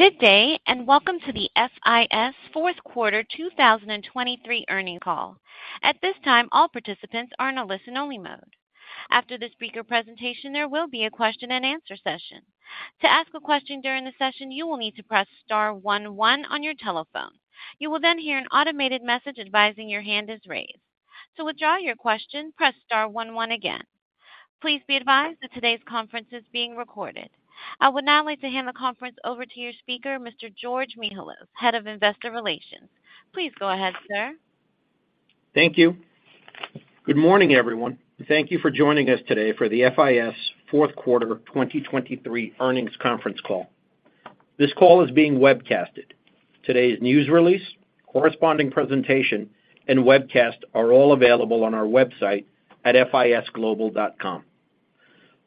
Good day, and welcome to the FIS fourth quarter 2023 earnings call. At this time, all participants are in a listen-only mode. After the speaker presentation, there will be a question-and-answer session. To ask a question during the session, you will need to press Star one one on your telephone. You will then hear an automated message advising your hand is raised. To withdraw your question, press Star one one again. Please be advised that today's conference is being recorded. I would now like to hand the conference over to your speaker, Mr. George Mihalos, Head of Investor Relations. Please go ahead, sir. Thank you. Good morning, everyone. Thank you for joining us today for the FIS fourth quarter 2023 earnings conference call. This call is being webcasted. Today's news release, corresponding presentation, and webcast are all available on our website at fisglobal.com.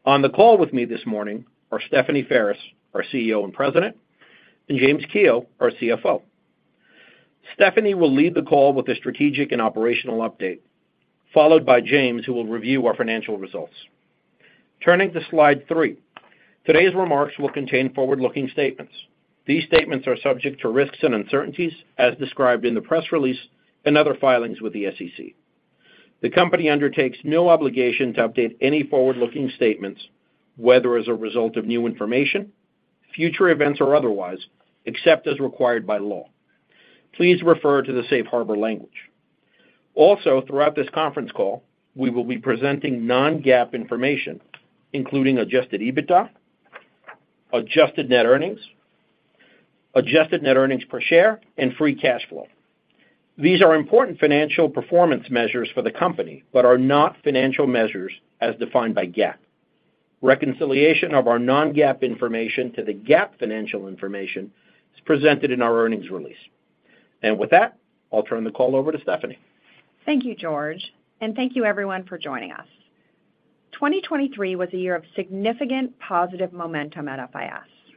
On the call with me this morning are Stephanie Ferris, our CEO and President, and James Kehoe, our CFO. Stephanie will lead the call with a strategic and operational update, followed by James, who will review our financial results. Turning to slide 3. Today's remarks will contain forward-looking statements. These statements are subject to risks and uncertainties, as described in the press release and other filings with the SEC. The company undertakes no obligation to update any forward-looking statements, whether as a result of new information, future events, or otherwise, except as required by law. Please refer to the Safe Harbor language. Also, throughout this conference call, we will be presenting non-GAAP information, including adjusted EBITDA, adjusted net earnings, adjusted net earnings per share, and free cash flow. These are important financial performance measures for the company but are not financial measures as defined by GAAP. Reconciliation of our non-GAAP information to the GAAP financial information is presented in our earnings release. With that, I'll turn the call over to Stephanie. Thank you, George, and thank you everyone for joining us. 2023 was a year of significant positive momentum at FIS.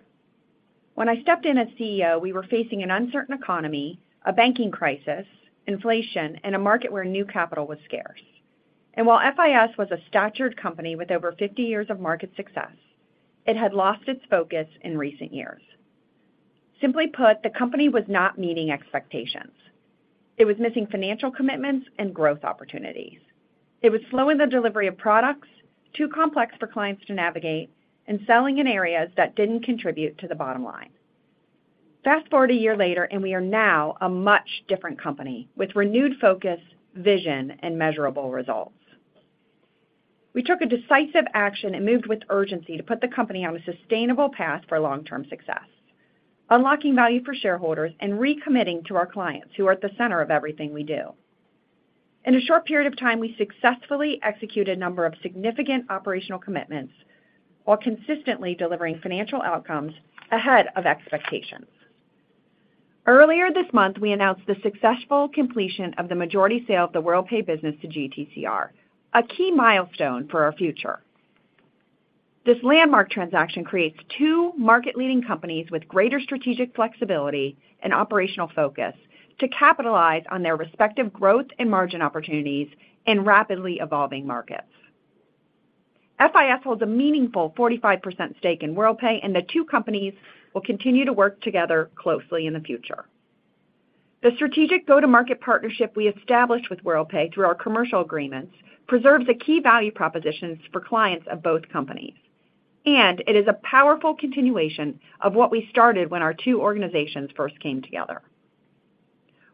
When I stepped in as CEO, we were facing an uncertain economy, a Banking crisis, inflation, and a market where new capital was scarce. And while FIS was a storied company with over 50 years of market success, it had lost its focus in recent years. Simply put, the company was not meeting expectations. It was missing financial commitments and growth opportunities. It was slowing the delivery of products, too complex for clients to navigate, and selling in areas that didn't contribute to the bottom line. Fast-forward a year later, and we are now a much different company, with renewed focus, vision, and measurable results. We took a decisive action and moved with urgency to put the company on a sustainable path for long-term success, unlocking value for shareholders and recommitting to our clients, who are at the center of everything we do. In a short period of time, we successfully executed a number of significant operational commitments while consistently delivering financial outcomes ahead of expectations. Earlier this month, we announced the successful completion of the majority sale of the Worldpay business to GTCR, a key milestone for our future. This landmark transaction creates two market-leading companies with greater strategic flexibility and operational focus to capitalize on their respective growth and margin opportunities in rapidly evolving markets. FIS holds a meaningful 45% stake in Worldpay, and the two companies will continue to work together closely in the future. The strategic go-to-market partnership we established with Worldpay through our commercial agreements preserves the key value propositions for clients of both companies, and it is a powerful continuation of what we started when our two organizations first came together.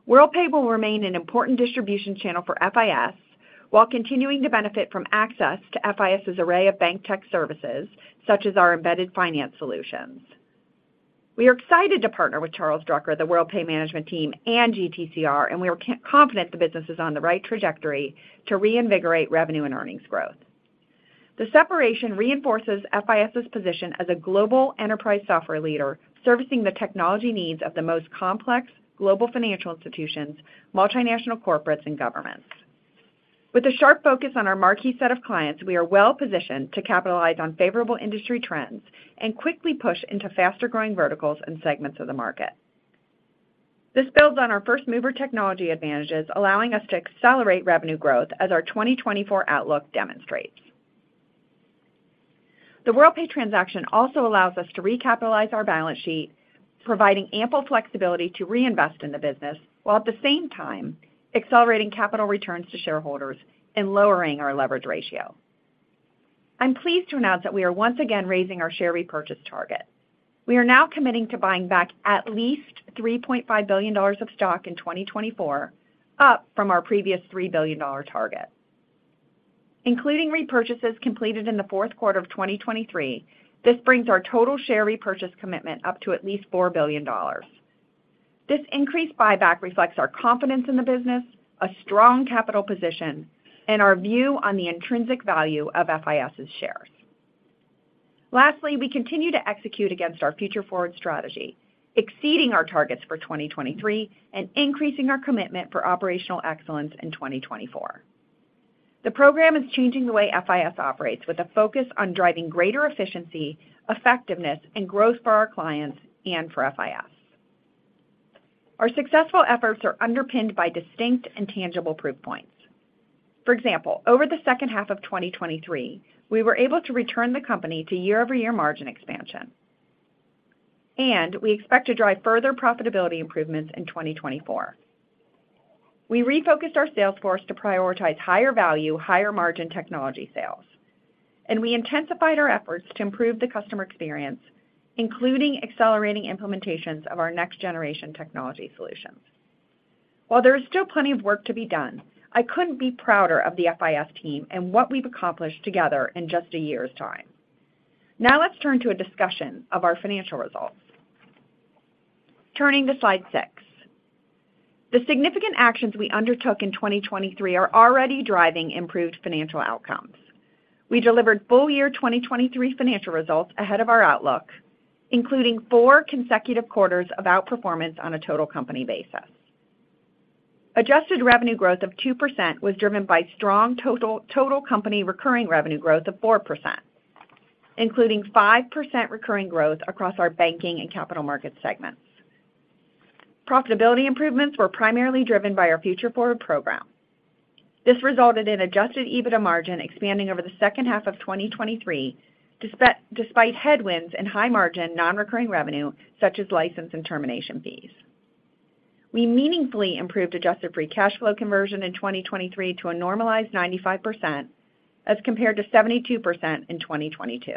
Worldpay will remain an important distribution channel for FIS while continuing to benefit from access to FIS' array of bank tech services, such as our embedded finance solutions. We are excited to partner with Charles Drucker, the Worldpay management team, and GTCR, and we are confident the business is on the right trajectory to reinvigorate revenue and earnings growth. The separation reinforces FIS' position as a global enterprise software leader, servicing the technology needs of the most complex global financial institutions, multinational corporates, and governments. With a sharp focus on our marquee set of clients, we are well-positioned to capitalize on favorable industry trends and quickly push into faster-growing verticals and segments of the market. This builds on our first-mover technology advantages, allowing us to accelerate revenue growth, as our 2024 outlook demonstrates. The Worldpay transaction also allows us to recapitalize our balance sheet, providing ample flexibility to reinvest in the business, while at the same time accelerating capital returns to shareholders and lowering our leverage ratio. I'm pleased to announce that we are once again raising our share repurchase target. We are now committing to buying back at least $3.5 billion of stock in 2024, up from our previous $3 billion target. Including repurchases completed in the fourth quarter of 2023, this brings our total share repurchase commitment up to at least $4 billion. This increased buyback reflects our confidence in the business, a strong capital position, and our view on the intrinsic value of FIS' shares. Lastly, we continue to execute against our Future Forward strategy, exceeding our targets for 2023 and increasing our commitment for operational excellence in 2024. The program is changing the way FIS operates, with a focus on driving greater efficiency, effectiveness, and growth for our clients and for FIS. Our successful efforts are underpinned by distinct and tangible proof points. For example, over the second half of 2023, we were able to return the company to year-over-year margin expansion, and we expect to drive further profitability improvements in 2024. We refocused our sales force to prioritize higher value, higher margin technology sales, and we intensified our efforts to improve the customer experience, including accelerating implementations of our next-generation technology solutions. While there is still plenty of work to be done, I couldn't be prouder of the FIS team and what we've accomplished together in just a year's time. Now let's turn to a discussion of our financial results. Turning to slide 6. The significant actions we undertook in 2023 are already driving improved financial outcomes. We delivered full year 2023 financial results ahead of our outlook, including 4 consecutive quarters of outperformance on a total company basis. Adjusted revenue growth of 2% was driven by strong total company recurring revenue growth of 4%, including 5% recurring growth across our Banking and Capital Market segments. Profitability improvements were primarily driven by our Future Forward program. This resulted in adjusted EBITDA margin expanding over the second half of 2023, despite headwinds and high-margin non-recurring revenue, such as license and termination fees. We meaningfully improved adjusted free cash flow conversion in 2023 to a normalized 95%, as compared to 72% in 2022.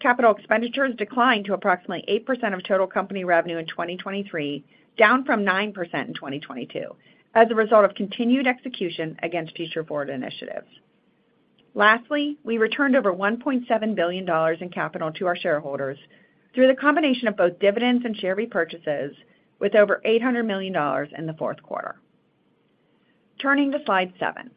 Capital expenditures declined to approximately 8% of total company revenue in 2023, down from 9% in 2022, as a result of continued execution against Future Forward initiatives. Lastly, we returned over $1.7 billion in capital to our shareholders through the combination of both dividends and share repurchases, with over $800 million in the fourth quarter. Turning to Slide 7.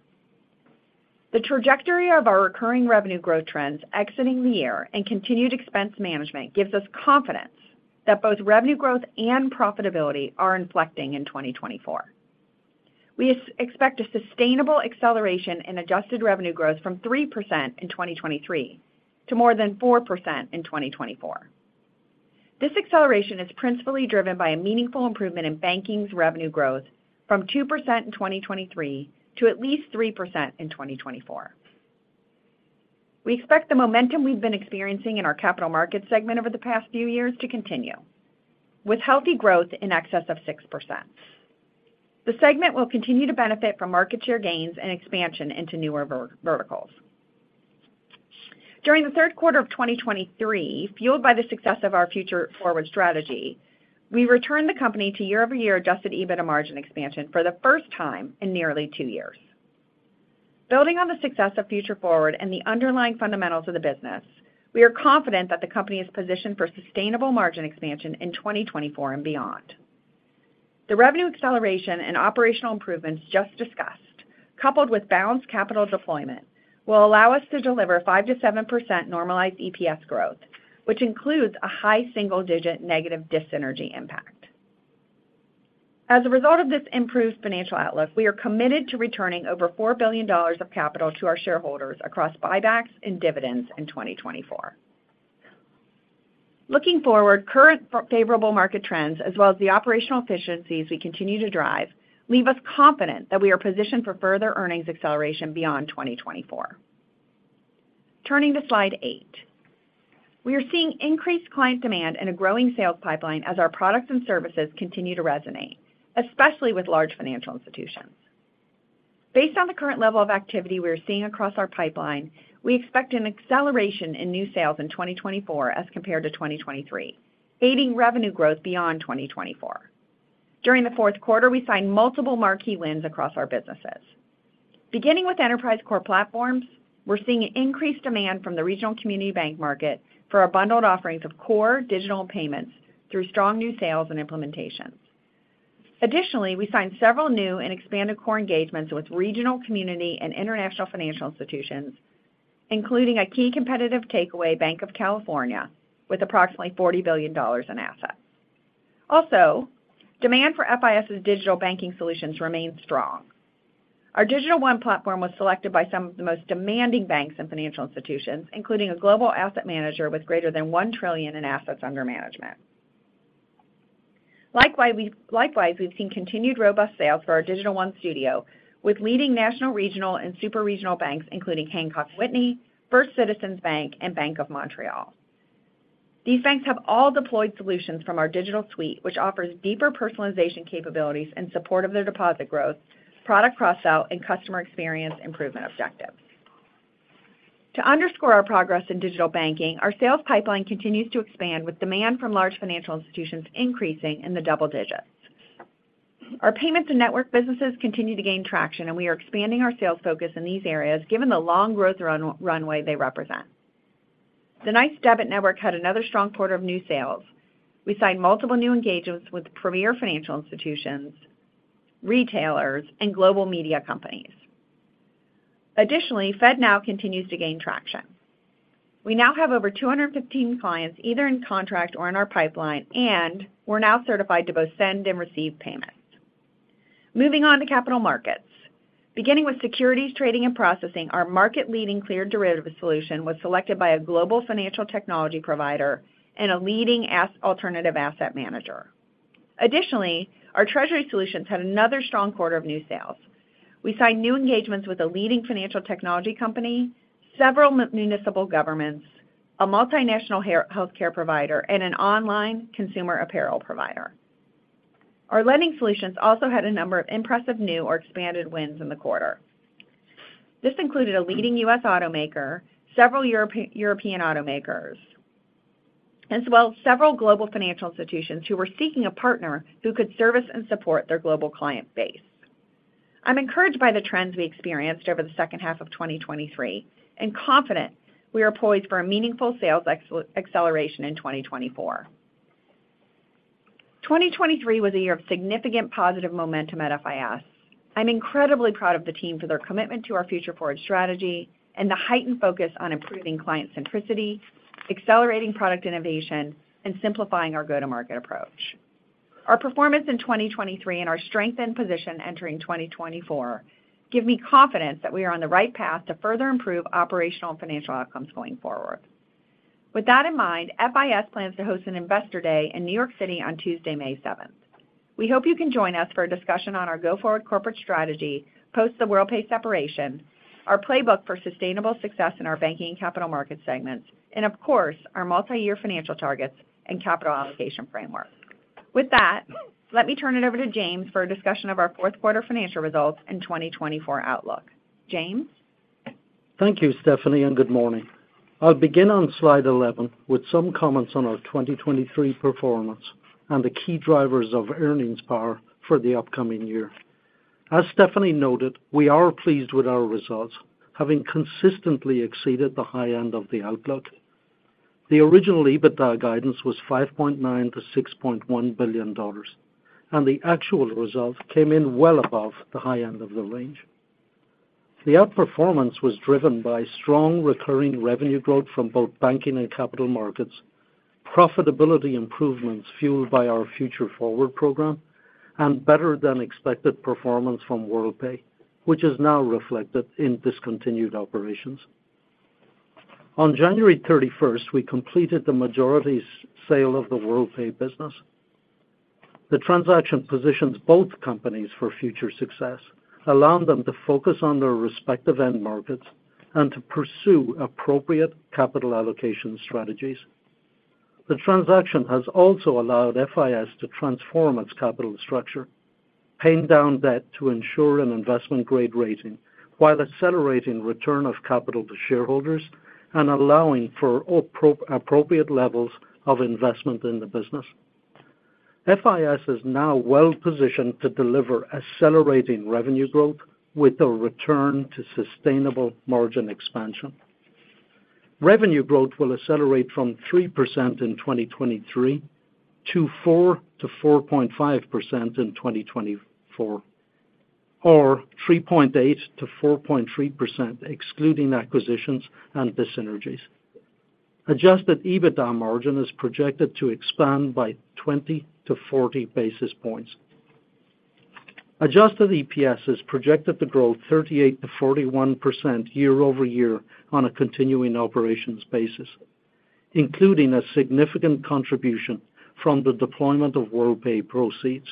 The trajectory of our recurring revenue growth trends exiting the year and continued expense management gives us confidence that both revenue growth and profitability are inflecting in 2024. We expect a sustainable acceleration in adjusted revenue growth from 3% in 2023 to more than 4% in 2024. This acceleration is principally driven by a meaningful improvement in Banking's revenue growth from 2% in 2023 to at least 3% in 2024. We expect the momentum we've been experiencing in our Capital Markets segment over the past few years to continue, with healthy growth in excess of 6%. The segment will continue to benefit from market share gains and expansion into newer verticals. During the third quarter of 2023, fueled by the success of our Future Forward strategy, we returned the company to year-over-year adjusted EBITDA margin expansion for the first time in nearly two years. Building on the success of Future Forward and the underlying fundamentals of the business, we are confident that the company is positioned for sustainable margin expansion in 2024 and beyond. The revenue acceleration and operational improvements just discussed, coupled with balanced capital deployment, will allow us to deliver 5%-7% normalized EPS growth, which includes a high single-digit negative dissynergy impact. As a result of this improved financial outlook, we are committed to returning over $4 billion of capital to our shareholders across buybacks and dividends in 2024. Looking forward, current favorable market trends as well as the operational efficiencies we continue to drive, leave us confident that we are positioned for further earnings acceleration beyond 2024. Turning to Slide 8. We are seeing increased client demand and a growing sales pipeline as our products and services continue to resonate, especially with large financial institutions. Based on the current level of activity we are seeing across our pipeline, we expect an acceleration in new sales in 2024 as compared to 2023, aiding revenue growth beyond 2024. During the fourth quarter, we signed multiple marquee wins across our businesses. Beginning with enterprise core platforms, we're seeing increased demand from the regional community bank market for our bundled offerings of core digital payments through strong new sales and implementations. Additionally, we signed several new and expanded core engagements with regional, community, and international financial institutions, including a key competitive takeaway, Banc of California, with approximately $40 billion in assets. Also, demand for FIS's digital Banking Solutions remains strong. Our Digital One platform was selected by some of the most demanding banks and financial institutions, including a global asset manager with greater than $1 trillion in assets under management. Likewise, we've seen continued robust sales for our Digital One Studio with leading national, regional, and super-regional banks, including Hancock Whitney, First Citizens Bank, and Bank of Montreal. These banks have all deployed solutions from our digital suite, which offers deeper personalization capabilities in support of their deposit growth, product cross-sell, and customer experience improvement objectives. To underscore our progress in digital banking, our sales pipeline continues to expand, with demand from large financial institutions increasing in the double digits. Our payments and network businesses continue to gain traction, and we are expanding our sales focus in these areas, given the long growth runway they represent. The NYCE Debit Network had another strong quarter of new sales. We signed multiple new engagements with premier financial institutions, retailers, and global media companies. Additionally, FedNow continues to gain traction. We now have over 215 clients, either in contract or in our pipeline, and we're now certified to both send and receive payments. Moving on to Capital Markets. Beginning with securities trading and processing, our market-leading cleared derivative solution was selected by a global financial technology provider and a leading alternative asset manager. Additionally, our treasury solutions had another strong quarter of new sales. We signed new engagements with a leading financial technology company, several municipal governments, a multinational healthcare provider, and an online consumer apparel provider. Our lending solutions also had a number of impressive new or expanded wins in the quarter. This included a leading U.S. automaker, several European automakers, as well as several global financial institutions who were seeking a partner who could service and support their global client base. I'm encouraged by the trends we experienced over the second half of 2023, and confident we are poised for a meaningful sales acceleration in 2024. 2023 was a year of significant positive momentum at FIS. I'm incredibly proud of the team for their commitment to our Future Forward strategy and the heightened focus on improving client centricity, accelerating product innovation, and simplifying our go-to-market approach. Our performance in 2023 and our strengthened position entering 2024 give me confidence that we are on the right path to further improve operational and financial outcomes going forward. With that in mind, FIS plans to host an Investor Day in New York City on Tuesday, May 7th. We hope you can join us for a discussion on our go-forward corporate strategy, post the Worldpay separation, our playbook for sustainable success in our Banking and Capital Market segments, and of course, our multi-year financial targets and capital allocation framework. With that, let me turn it over to James for a discussion of our fourth quarter financial results and 2024 outlook. James? Thank you, Stephanie, and good morning. I'll begin on Slide 11 with some comments on our 2023 performance and the key drivers of earnings power for the upcoming year. As Stephanie noted, we are pleased with our results, having consistently exceeded the high end of the outlook. The original EBITDA guidance was $5.9 billion-$6.1 billion, and the actual result came in well above the high end of the range. The outperformance was driven by strong recurring revenue growth from both Banking and Capital Markets, profitability improvements fueled by our Future Forward program, and better-than-expected performance from Worldpay, which is now reflected in discontinued operations. On January 31st, we completed the majority sale of the Worldpay business. The transaction positions both companies for future success, allowing them to focus on their respective end markets and to pursue appropriate capital allocation strategies. The transaction has also allowed FIS to transform its capital structure, paying down debt to ensure an investment-grade rating, while accelerating return of capital to shareholders and allowing for appropriate levels of investment in the business. FIS is now well positioned to deliver accelerating revenue growth with a return to sustainable margin expansion. Revenue growth will accelerate from 3% in 2023 to 4%-4.5% in 2024, or 3.8%-4.3%, excluding acquisitions and dissynergies. Adjusted EBITDA margin is projected to expand by 20-40 basis points. Adjusted EPS is projected to grow 38%-41% year-over-year on a continuing operations basis, including a significant contribution from the deployment of Worldpay proceeds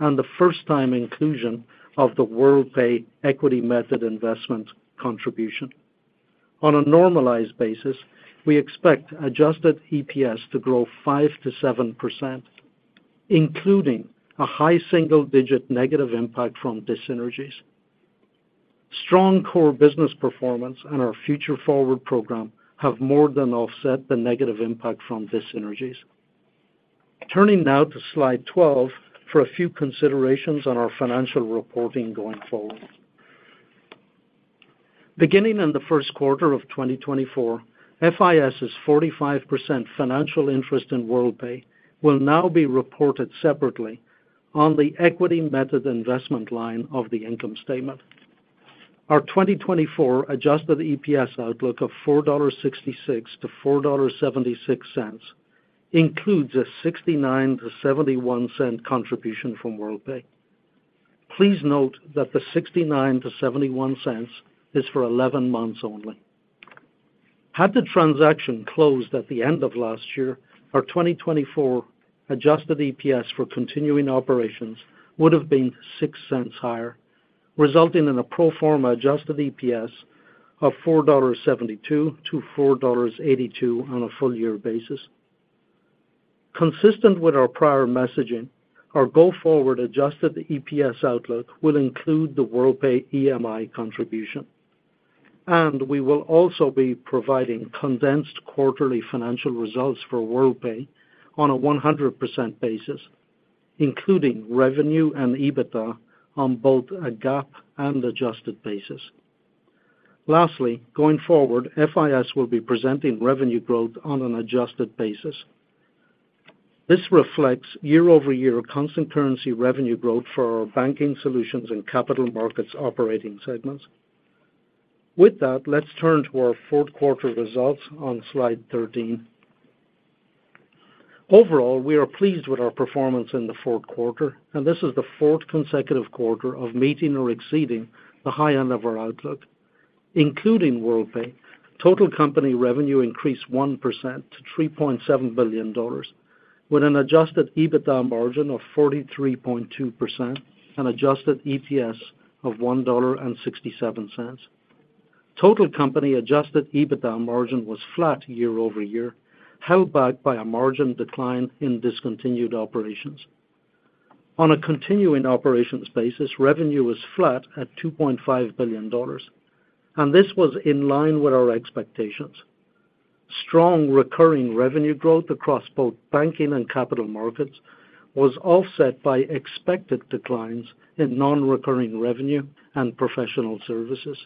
and the first-time inclusion of the Worldpay Equity Method Investment contribution. On a normalized basis, we expect adjusted EPS to grow 5%-7%, including a high single-digit negative impact from Dissynergies. Strong core business performance and our Future Forward program have more than offset the negative impact from Dissynergies. Turning now to Slide 12 for a few considerations on our financial reporting going forward. Beginning in the first quarter of 2024, FIS's 45% financial interest in Worldpay will now be reported separately on the Equity Method Investment line of the income statement. Our 2024 Adjusted EPS outlook of $4.66-$4.76 includes a $0.69-$0.71 contribution from Worldpay. Please note that the $0.69-$0.71 is for eleven months only. Had the transaction closed at the end of last year, our 2024 adjusted EPS for continuing operations would have been $0.06 higher, resulting in a pro forma adjusted EPS of $4.72-$4.82 on a full-year basis. Consistent with our prior messaging, our go-forward adjusted EPS outlook will include the Worldpay EMI contribution, and we will also be providing condensed quarterly financial results for Worldpay on a 100% basis, including revenue and EBITDA on both a GAAP and adjusted basis. Lastly, going forward, FIS will be presenting revenue growth on an adjusted basis. This reflects year-over-year constant currency revenue growth for our Banking Solutions and Capital Markets operating segments. With that, let's turn to our fourth quarter results on Slide 13. Overall, we are pleased with our performance in the fourth quarter, and this is the fourth consecutive quarter of meeting or exceeding the high end of our outlook. Including Worldpay, total company revenue increased 1% to $3.7 billion, with an adjusted EBITDA margin of 43.2% and adjusted EPS of $1.67. Total company adjusted EBITDA margin was flat year-over-year, held back by a margin decline in discontinued operations. On a continuing operations basis, revenue was flat at $2.5 billion, and this was in line with our expectations. Strong recurring revenue growth across both Banking and Capital Markets was offset by expected declines in non-recurring revenue and professional services.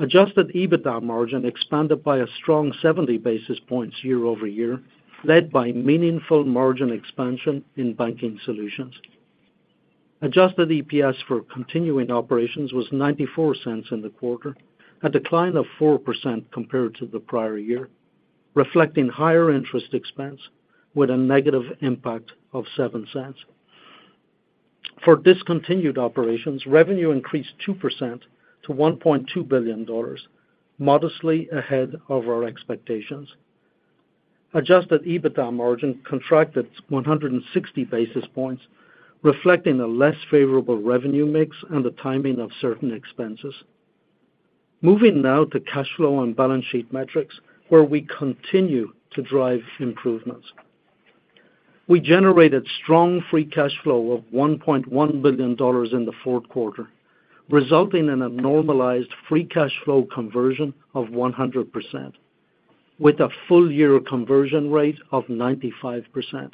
Adjusted EBITDA margin expanded by a strong 70 basis points year-over-year, led by meaningful margin expansion in Banking Solutions. Adjusted EPS for continuing operations was $0.94 in the quarter, a decline of 4% compared to the prior year, reflecting higher interest expense with a negative impact of $0.07. For discontinued operations, revenue increased 2% to $1.2 billion, modestly ahead of our expectations. Adjusted EBITDA margin contracted 160 basis points, reflecting a less favorable revenue mix and the timing of certain expenses. Moving now to cash flow and balance sheet metrics, where we continue to drive improvements. We generated strong free cash flow of $1.1 billion in the fourth quarter, resulting in a normalized free cash flow conversion of 100%, with a full-year conversion rate of 95%.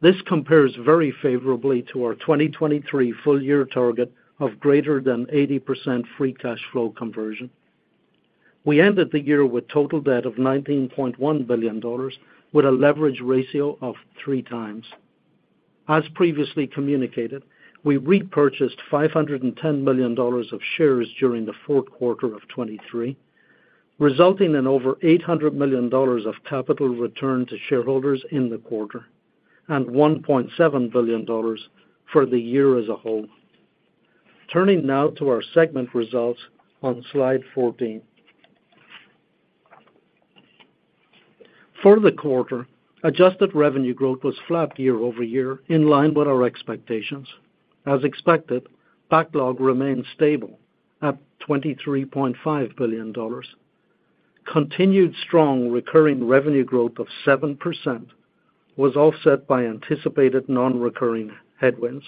This compares very favorably to our 2023 full-year target of greater than 80% free cash flow conversion. We ended the year with total debt of $19.1 billion, with a leverage ratio of 3x. As previously communicated, we repurchased $510 million of shares during the fourth quarter of 2023, resulting in over $800 million of capital returned to shareholders in the quarter and $1.7 billion for the year as a whole. Turning now to our segment results on Slide 14. For the quarter, adjusted revenue growth was flat year-over-year, in line with our expectations. As expected, Backlog remained stable at $23.5 billion. Continued strong Recurring Revenue growth of 7% was offset by anticipated non-recurring headwinds.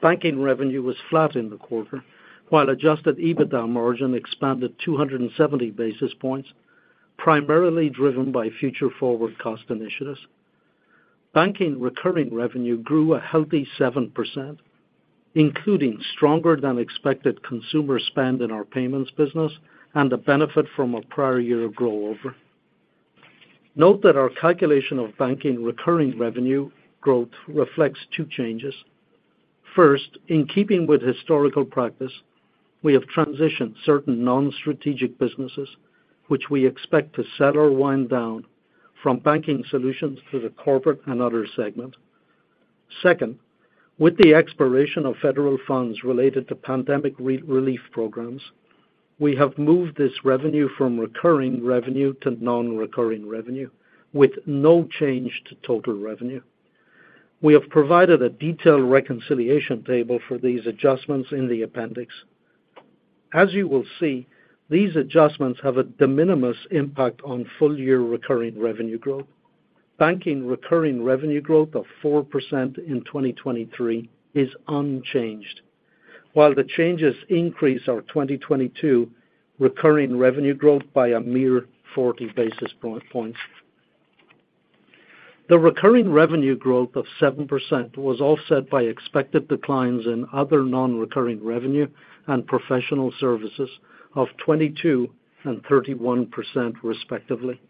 Banking revenue was flat in the quarter, while Adjusted EBITDA margin expanded 270 basis points, primarily driven by Future Forward cost initiatives. Banking recurring revenue grew a healthy 7%, including stronger-than-expected consumer spend in our payments business and a benefit from a prior year growth over. Note that our calculation of banking recurring revenue growth reflects two changes. First, in keeping with historical practice, we have transitioned certain non-strategic businesses, which we expect to sell or wind down from Banking Solutions to the corporate and other segment. Second, with the expiration of federal funds related to pandemic relief programs, we have moved this revenue from recurring revenue to non-recurring revenue, with no change to total revenue. We have provided a detailed reconciliation table for these adjustments in the appendix. As you will see, these adjustments have a de minimis impact on full-year recurring revenue growth. Banking recurring revenue growth of 4% in 2023 is unchanged, while the changes increase our 2022 recurring revenue growth by a mere 40 basis points. The recurring revenue growth of 7% was offset by expected declines in other non-recurring revenue and professional services of 22% and 31%, respectively.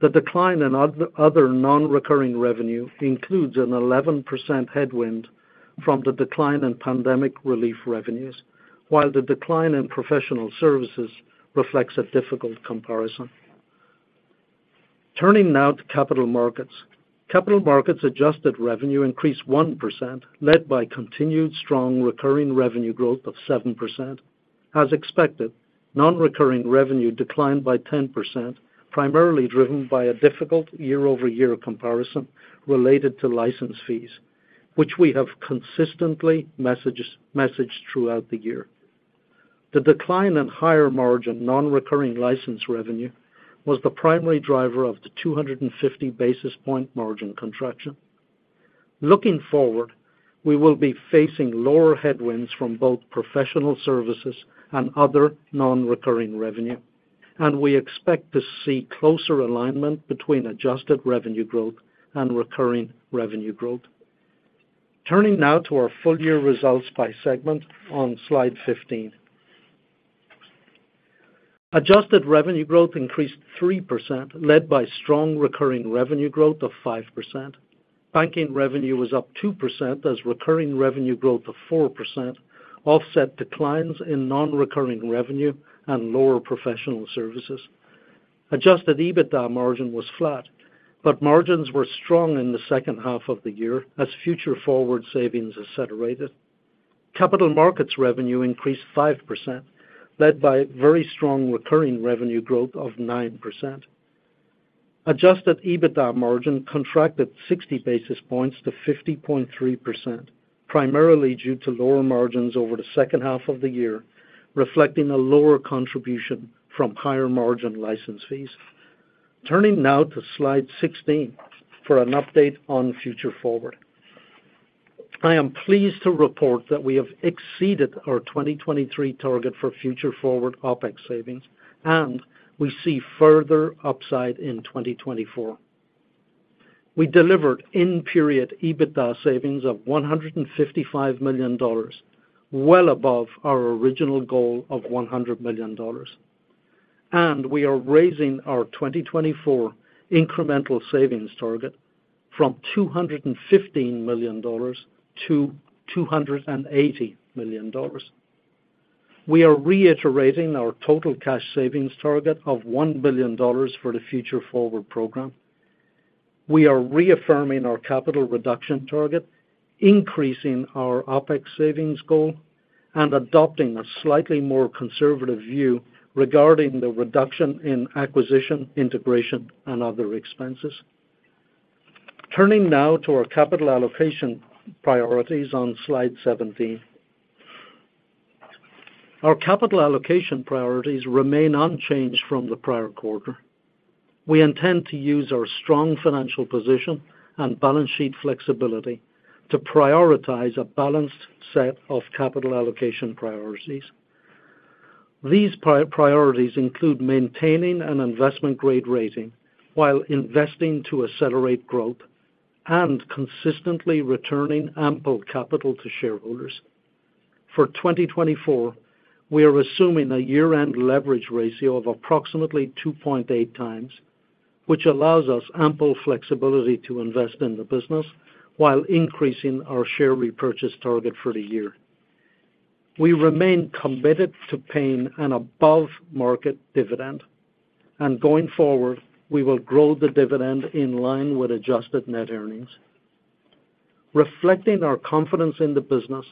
The decline in other non-recurring revenue includes an 11% headwind from the decline in pandemic relief revenues, while the decline in professional services reflects a difficult comparison. Turning now to Capital Markets. Capital Markets adjusted revenue increased 1%, led by continued strong recurring revenue growth of 7%. As expected, non-recurring revenue declined by 10%, primarily driven by a difficult year-over-year comparison related to license fees, which we have consistently messaged throughout the year. The decline in higher margin non-recurring license revenue was the primary driver of the 250 basis point margin contraction. Looking forward, we will be facing lower headwinds from both professional services and other non-recurring revenue, and we expect to see closer alignment between adjusted revenue growth and recurring revenue growth. Turning now to our full-year results by segment on Slide 15. Adjusted revenue growth increased 3%, led by strong recurring revenue growth of 5%. Banking revenue was up 2% as recurring revenue growth of 4% offset declines in non-recurring revenue and lower professional services. Adjusted EBITDA margin was flat, but margins were strong in the second half of the year as Future Forward savings accelerated. Capital Markets revenue increased 5%, led by very strong recurring revenue growth of 9%. Adjusted EBITDA margin contracted 60 basis points to 50.3%, primarily due to lower margins over the second half of the year, reflecting a lower contribution from higher-margin license fees. Turning now to Slide 16 for an update on Future Forward. I am pleased to report that we have exceeded our 2023 target for Future Forward OpEx savings, and we see further upside in 2024. We delivered in-period EBITDA savings of $155 million, well above our original goal of $100 million. And we are raising our 2024 incremental savings target from $215 million-$280 million. We are reiterating our total cash savings target of $1 billion for the Future Forward program. We are reaffirming our capital reduction target, increasing our OpEx savings goal, and adopting a slightly more conservative view regarding the reduction in acquisition, integration, and other expenses. Turning now to our Capital Allocation priorities on Slide 17. Our Capital Allocation priorities remain unchanged from the prior quarter. We intend to use our strong financial position and balance sheet flexibility to prioritize a balanced set of capital allocation priorities. These priorities include maintaining an investment-grade rating while investing to accelerate growth and consistently returning ample capital to shareholders. For 2024, we are assuming a year-end leverage ratio of approximately 2.8x, which allows us ample flexibility to invest in the business while increasing our share repurchase target for the year. We remain committed to paying an above-market dividend, and going forward, we will grow the dividend in line with adjusted net earnings. Reflecting our confidence in the business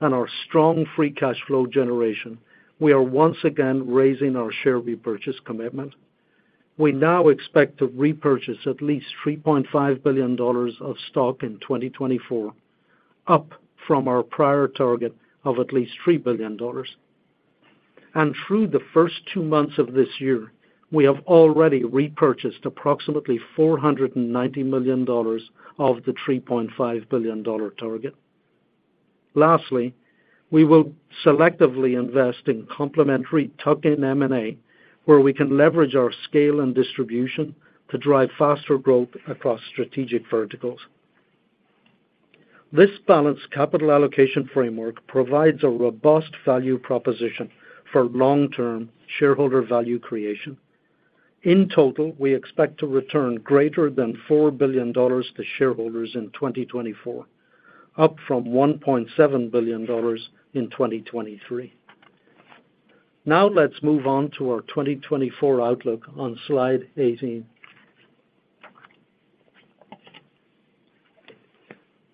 and our strong free cash flow generation, we are once again raising our share repurchase commitment. We now expect to repurchase at least $3.5 billion of stock in 2024, up from our prior target of at least $3 billion. Through the first two months of this year, we have already repurchased approximately $490 million of the $3.5 billion target. Lastly, we will selectively invest in complementary tuck-in M&A, where we can leverage our scale and distribution to drive faster growth across strategic verticals. This balanced capital allocation framework provides a robust value proposition for long-term shareholder value creation. In total, we expect to return greater than $4 billion to shareholders in 2024, up from $1.7 billion in 2023. Now let's move on to our 2024 outlook on Slide 18.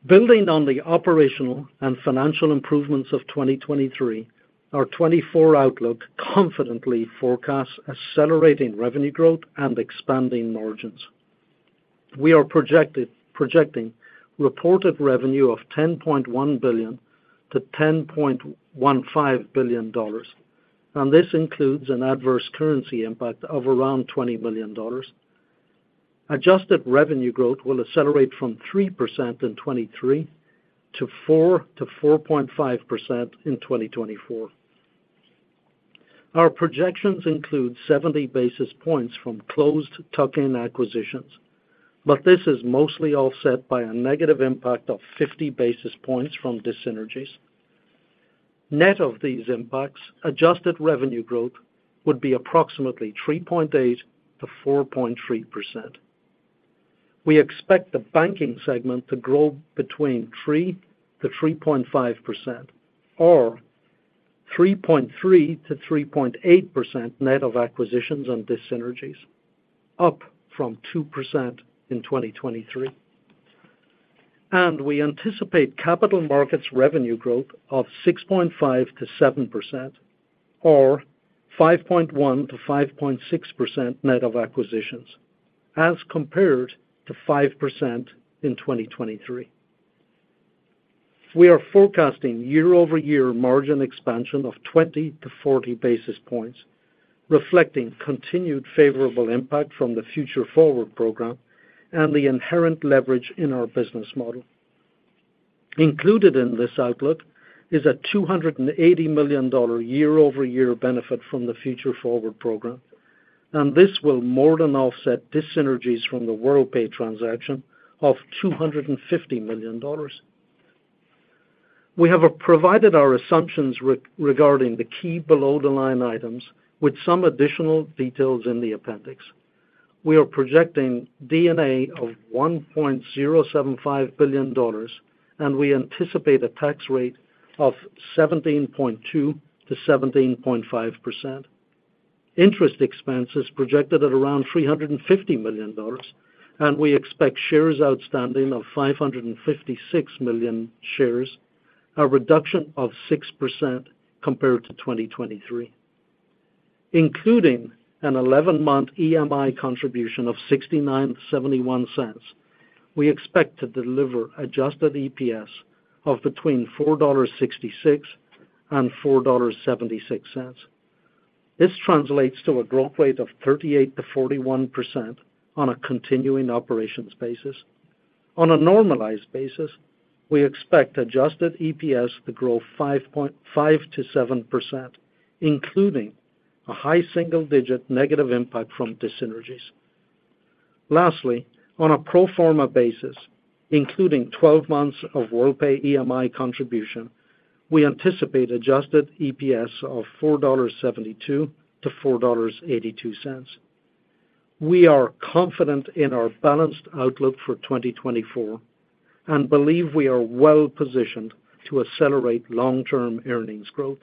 Building on the operational and financial improvements of 2023, our 2024 outlook confidently forecasts accelerating revenue growth and expanding margins. We are projecting reported revenue of $10.1 billion-$10.15 billion, and this includes an adverse currency impact of around $20 million. Adjusted revenue growth will accelerate from 3% in 2023 to 4%-4.5% in 2024. Our projections include 70 basis points from closed tuck-in acquisitions, but this is mostly offset by a negative impact of 50 basis points from dissynergies. Net of these impacts, adjusted revenue growth would be approximately 3.8%-4.3%. We expect the Banking segment to grow between 3%-3.5%, or 3.3%-3.8% net of acquisitions and dissynergies, up from 2% in 2023. We anticipate Capital Markets revenue growth of 6.5%-7%, or 5.1%-5.6% net of acquisitions, as compared to 5% in 2023. We are forecasting year-over-year margin expansion of 20-40 basis points, reflecting continued favorable impact from the Future Forward program and the inherent leverage in our business model. Included in this outlook is a $280 million year-over-year benefit from the Future Forward program, and this will more than offset dissynergies from the Worldpay transaction of $250 million. We have provided our assumptions regarding the key below-the-line items with some additional details in the appendix. We are projecting D&A of $1.075 billion, and we anticipate a tax rate of 17.2%-17.5%. Interest expense is projected at around $350 million, and we expect shares outstanding of 556 million shares, a reduction of 6% compared to 2023. Including an eleven-month EMI contribution of $0.69-$0.71, we expect to deliver adjusted EPS of between $4.66 and $4.76. This translates to a growth rate of 38%-41% on a continuing operations basis. On a normalized basis, we expect adjusted EPS to grow 5.5%-7%, including a high single-digit negative impact from dissynergies. Lastly, on a pro forma basis, including 12 months of Worldpay EMI contribution, we anticipate adjusted EPS of $4.72-$4.82. We are confident in our balanced outlook for 2024 and believe we are well-positioned to accelerate long-term earnings growth.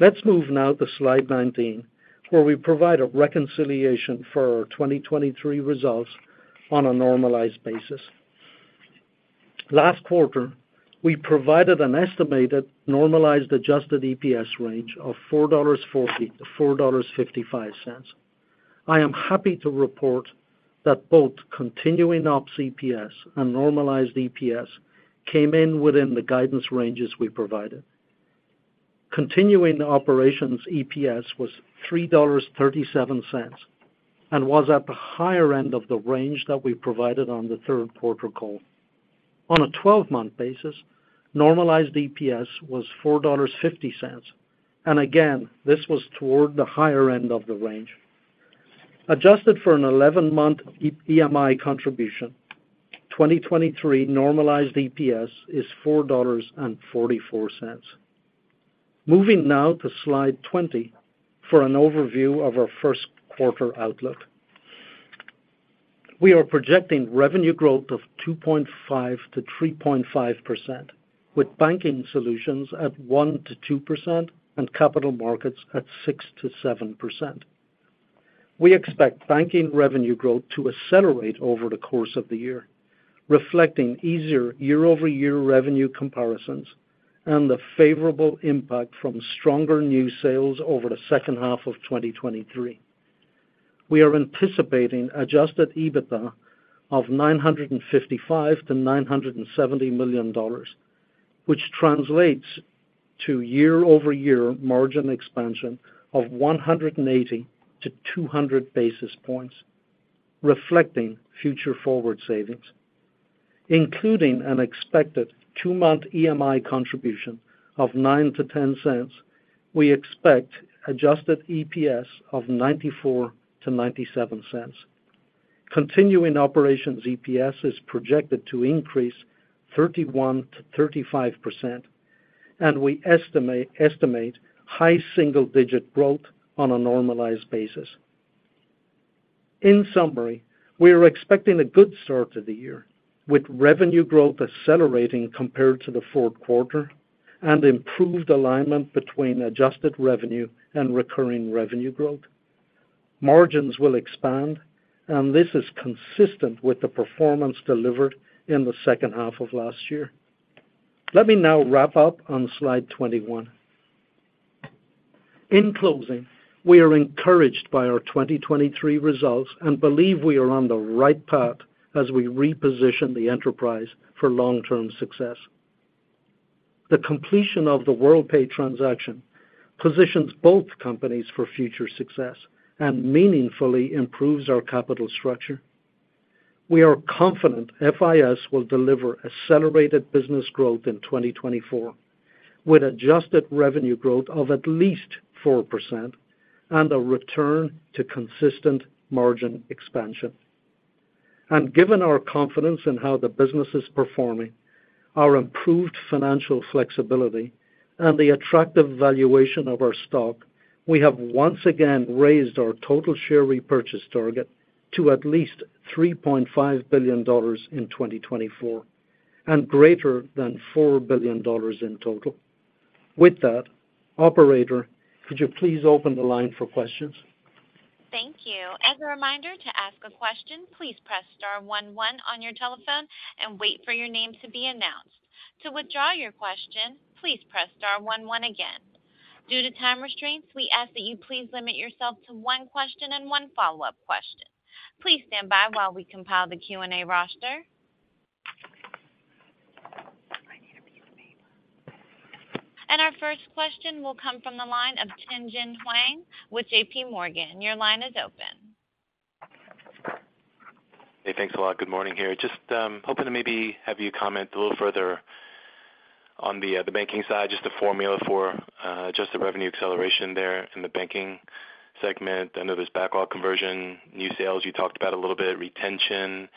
Let's move now to Slide 19, where we provide a reconciliation for our 2023 results on a normalized basis. Last quarter, we provided an estimated normalized adjusted EPS range of $4.40-$4.55. I am happy to report that both continuing ops EPS and normalized EPS came in within the guidance ranges we provided. Continuing operations EPS was $3.37 and was at the higher end of the range that we provided on the third quarter call. On a 12-month basis, normalized EPS was $4.50, and again, this was toward the higher end of the range. Adjusted for an 11-month EMI contribution, 2023 normalized EPS is $4.44. Moving now to Slide 20 for an overview of our first quarter outlook. We are projecting revenue growth of 2.5%-3.5%, with banking Solutions at 1%-2% and Capital Markets at 6%-7%. We expect banking revenue growth to accelerate over the course of the year, reflecting easier year-over-year revenue comparisons and the favorable impact from stronger new sales over the second half of 2023. We are anticipating adjusted EBITDA of $955 million-$970 million, which translates to year-over-year margin expansion of 180-200 basis points, reflecting Future Forward savings. Including an expected two-month EMI contribution of 9 cents-10 cents, we expect adjusted EPS of 94 cents-97 cents. Continuing operations EPS is projected to increase 31%-35%, and we estimate high single-digit growth on a normalized basis. In summary, we are expecting a good start to the year, with revenue growth accelerating compared to the fourth quarter and improved alignment between adjusted revenue and recurring revenue growth. Margins will expand, and this is consistent with the performance delivered in the second half of last year. Let me now wrap up on Slide 21. In closing, we are encouraged by our 2023 results and believe we are on the right path as we reposition the enterprise for long-term success. The completion of the Worldpay transaction positions both companies for future success and meaningfully improves our capital structure. We are confident FIS will deliver accelerated business growth in 2024, with adjusted revenue growth of at least 4% and a return to consistent margin expansion. And given our confidence in how the business is performing, our improved financial flexibility and the attractive valuation of our stock, we have once again raised our total share repurchase target to at least $3.5 billion in 2024 and greater than $4 billion in total. With that, operator, could you please open the line for questions? Thank you. As a reminder, to ask a question, please press Star one one on your telephone and wait for your name to be announced. To withdraw your question, please press Star one one again. Due to time restraints, we ask that you please limit yourself to one question and one follow-up question. Please stand by while we compile the Q&A roster. Our first question will come from the line of Tien-tsin Huang with JPMorgan. Your line is open. Hey, thanks a lot. Good morning here. Just hoping to maybe have you comment a little further on the banking side, just the formula for just the revenue acceleration there in the Banking segment. I know there's backlog conversion, new sales, you talked about a little bit, retention.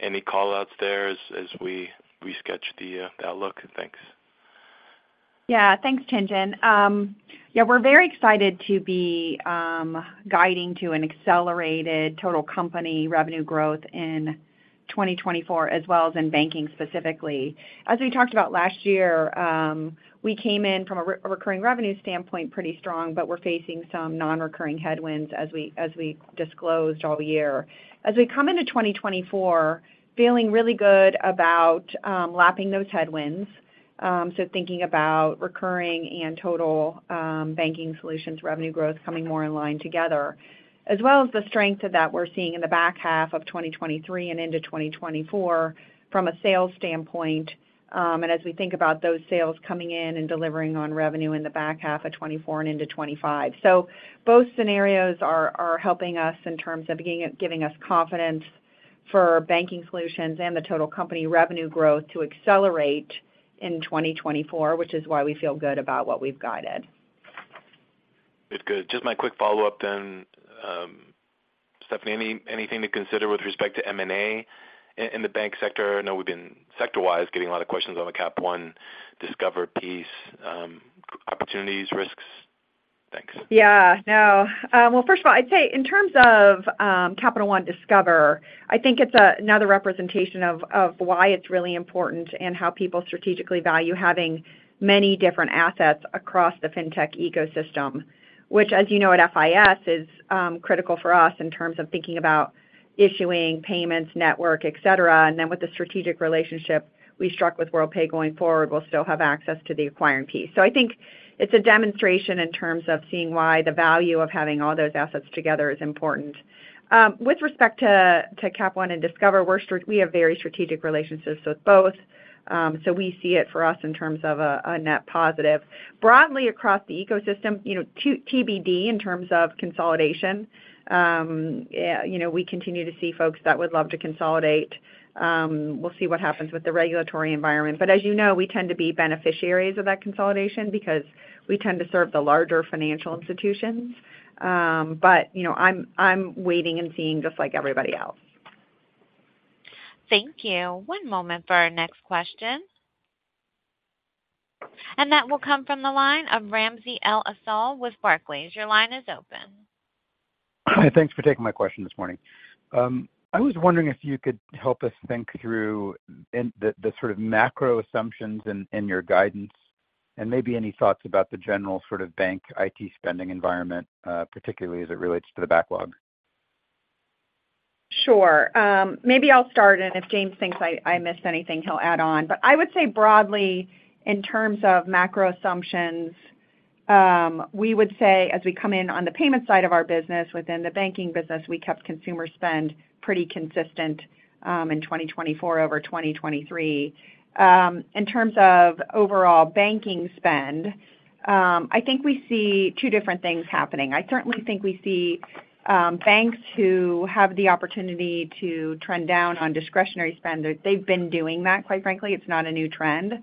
Any call-outs there as we resketch the outlook? Thanks. Yeah, thanks, Tien-tsin. Yeah, we're very excited to be guiding to an accelerated total company revenue growth in 2024, as well as in banking, specifically. As we talked about last year, we came in from a recurring revenue standpoint, pretty strong, but we're facing some non-recurring headwinds as we, as we disclosed all year. As we come into 2024, feeling really good about lapping those headwinds. So thinking about recurring and total Banking Solutions, revenue growth coming more in line together. As well as the strength of that we're seeing in the back half of 2023 and into 2024 from a sales standpoint, and as we think about those sales coming in and delivering on revenue in the back half of 2024 and into 2025. So both scenarios are helping us in terms of giving us confidence for Banking Solutions and the total company revenue growth to accelerate in 2024, which is why we feel good about what we've guided. Good. Good. Just my quick follow-up then, Stephanie, anything to consider with respect to M&A in, in the bank sector? I know we've been, sector-wise, getting a lot of questions on the Cap One Discover piece, opportunities, risks? Thanks. Yeah. No. Well, first of all, I'd say in terms of Capital One Discover, I think it's another representation of why it's really important and how people strategically value having many different assets across the fintech ecosystem. Which, as you know, at FIS is critical for us in terms of thinking about issuing payments, network, et cetera. And then with the strategic relationship we struck with Worldpay going forward, we'll still have access to the acquiring piece. So I think it's a demonstration in terms of seeing why the value of having all those assets together is important. With respect to Cap One and Discover, we have very strategic relati onships with both. So we see it for us in terms of a net positive. Broadly across the ecosystem, you know, TBD in terms of consolidation. You know, we continue to see folks that would love to consolidate. We'll see what happens with the regulatory environment. But as you know, we tend to be beneficiaries of that consolidation because we tend to serve the larger financial institutions. But, you know, I'm waiting and seeing just like everybody else. Thank you. One moment for our next question. That will come from the line of Ramsey El-Assal with Barclays. Your line is open. Thanks for taking my question this morning. I was wondering if you could help us think through in the sort of macro assumptions in your guidance and maybe any thoughts about the general sort of bank IT spending environment, particularly as it relates to the backlog. Sure. Maybe I'll start, and if James thinks I missed anything, he'll add on. But I would say broadly, in terms of macro assumptions, we would say as we come in on the payment side of our business, within the banking business, we kept consumer spend pretty consistent in 2024 over 2023. In terms of overall banking spend, I think we see two different things happening. I certainly think we see banks who have the opportunity to trend down on discretionary spend. They've been doing that, quite frankly; it's not a new trend.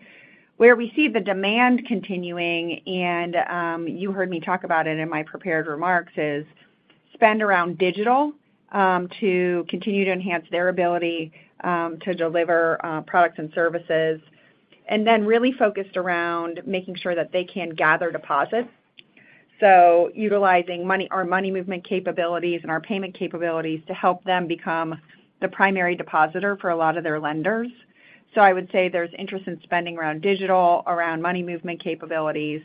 Where we see the demand continuing, and you heard me talk about it in my prepared remarks, is spend around digital to continue to enhance their ability to deliver products and services, and then really focused around making sure that they can gather deposits. So utilizing our money movement capabilities and our payment capabilities to help them become the primary depositor for a lot of their lenders. So I would say there's interest in spending around digital, around money movement capabilities,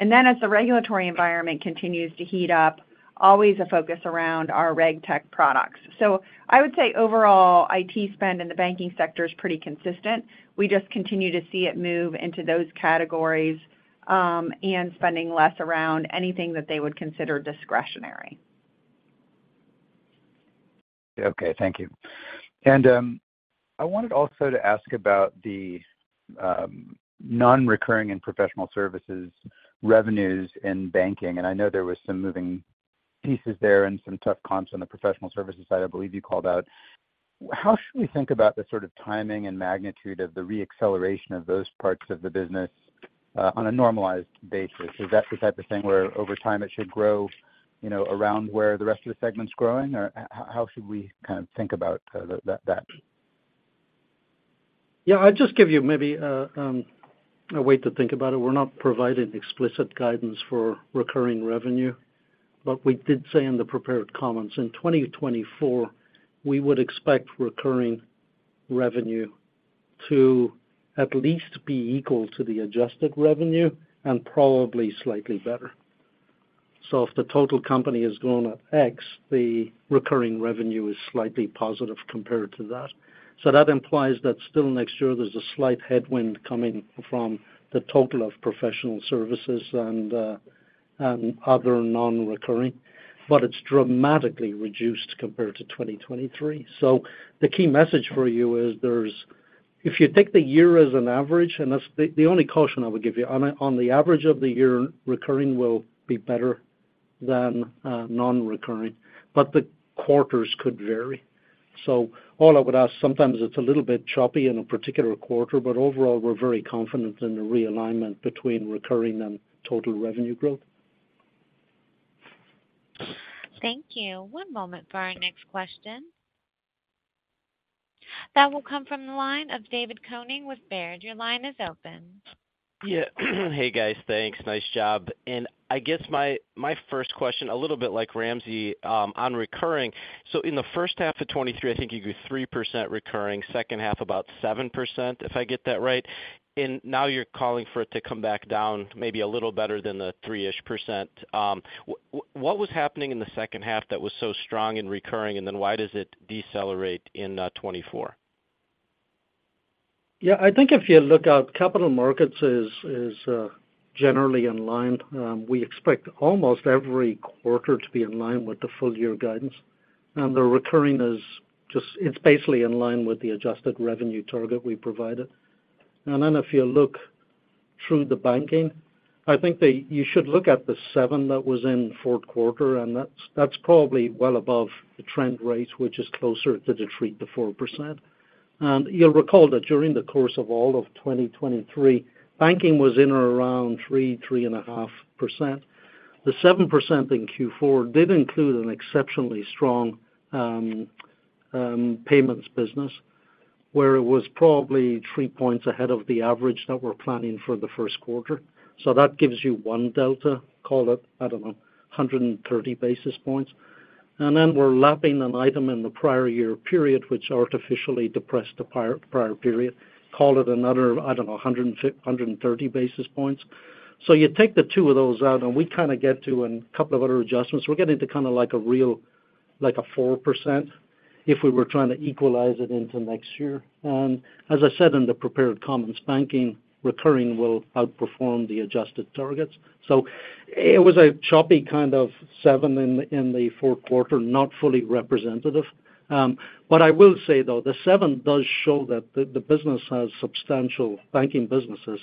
and then as the regulatory environment continues to heat up, always a focus around our reg tech products. So I would say overall, IT spend in the banking sector is pretty consistent. We just continue to see it move into those categories, and spending less around anything that they would consider discretionary. Okay, thank you. And, I wanted also to ask about the non-recurring and professional services revenues in banking, and I know there was some moving pieces there and some tough comps on the professional services side, I believe you called out. How should we think about the sort of timing and magnitude of the re-acceleration of those parts of the business, on a normalized basis? Is that the type of thing where over time it should grow, you know, around where the rest of the segment's growing, or how should we kind of think about, that, that? Yeah, I'll just give you maybe a way to think about it. We're not providing explicit guidance for recurring revenue, but we did say in the prepared comments, in 2024, we would expect recurring revenue to at least be equal to the adjusted revenue and probably slightly better. So if the total company is growing at X, the recurring revenue is slightly positive compared to that. So that implies that still next year, there's a slight headwind coming from the total of professional services and other non-recurring, but it's dramatically reduced compared to 2023. So the key message for you is there's if you take the year as an average, and that's the only caution I would give you, on the average of the year, recurring will be better than non-recurring, but the quarters could vary. So all I would ask, sometimes it's a little bit choppy in a particular quarter, but overall, we're very confident in the realignment between recurring and total revenue growth. Thank you. One moment for our next question. That will come from the line of David Koning with Baird. Your line is open. Yeah. Hey, guys, thanks. Nice job. And I guess my first question, a little bit like Ramsey, on recurring. So in the first half of 2023, I think you do 3% recurring, second half, about 7%, if I get that right. And now you're calling for it to come back down, maybe a little better than the 3%-ish. What was happening in the second half that was so strong in recurring, and then why does it decelerate in 2024? Yeah, I think if you look at Capital Markets is generally in line. We expect almost every quarter to be in line with the full year guidance. And the recurring is just it's basically in line with the adjusted revenue target we provided. And then if you look through the Banking, I think you should look at the 7 that was in fourth quarter, and that's probably well above the trend rate, which is closer to the 3%-4%. And you'll recall that during the course of all of 2023, Banking was in or around 3%, 3.5%. The 7% in Q4 did include an exceptionally strong payments business, where it was probably 3 points ahead of the average that we're planning for the first quarter. So that gives you one delta, call it, I don't know, 130 basis points. And then we're lapping an item in the prior year period, which artificially depressed the prior, prior period. Call it another, I don't know, 130 basis points. So you take the two of those out, and we kind of get to and a couple of other adjustments, we'll get into kind of like a real- like a 4% if we were trying to equalize it into next year. And as I said in the prepared comments, Banking, recurring will outperform the adjusted targets. So it was a choppy kind of 7% in the fourth quarter, not fully representative. But I will say, though, the seven does show that the Banking business has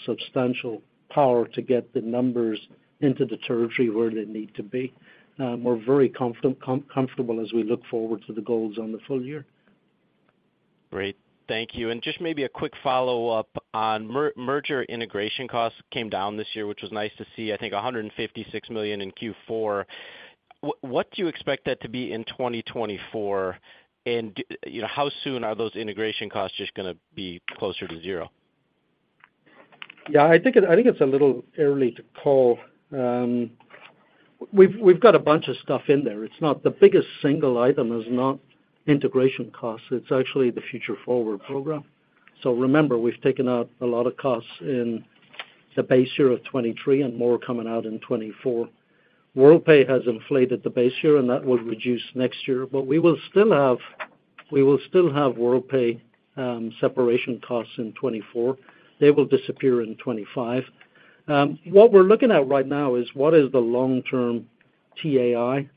substantial power to get the numbers into the territory where they need to be. We're very comfortable as we look forward to the goals on the full-year. Great. Thank you. Just maybe a quick follow-up on merger integration costs came down this year, which was nice to see, I think, $156 million in Q4. What do you expect that to be in 2024? And you know, how soon are those integration costs just gonna be closer to zero? Yeah, I think it's a little early to call. We've got a bunch of stuff in there. The biggest single item is not integration costs, it's actually the Future Forward program. So remember, we've taken out a lot of costs in the base year of 2023 and more coming out in 2024. Worldpay has inflated the base year, and that will reduce next year, but we will still have Worldpay separation costs in 2024. They will disappear in 2025. What we're looking at right now is, what is the long-term T&I?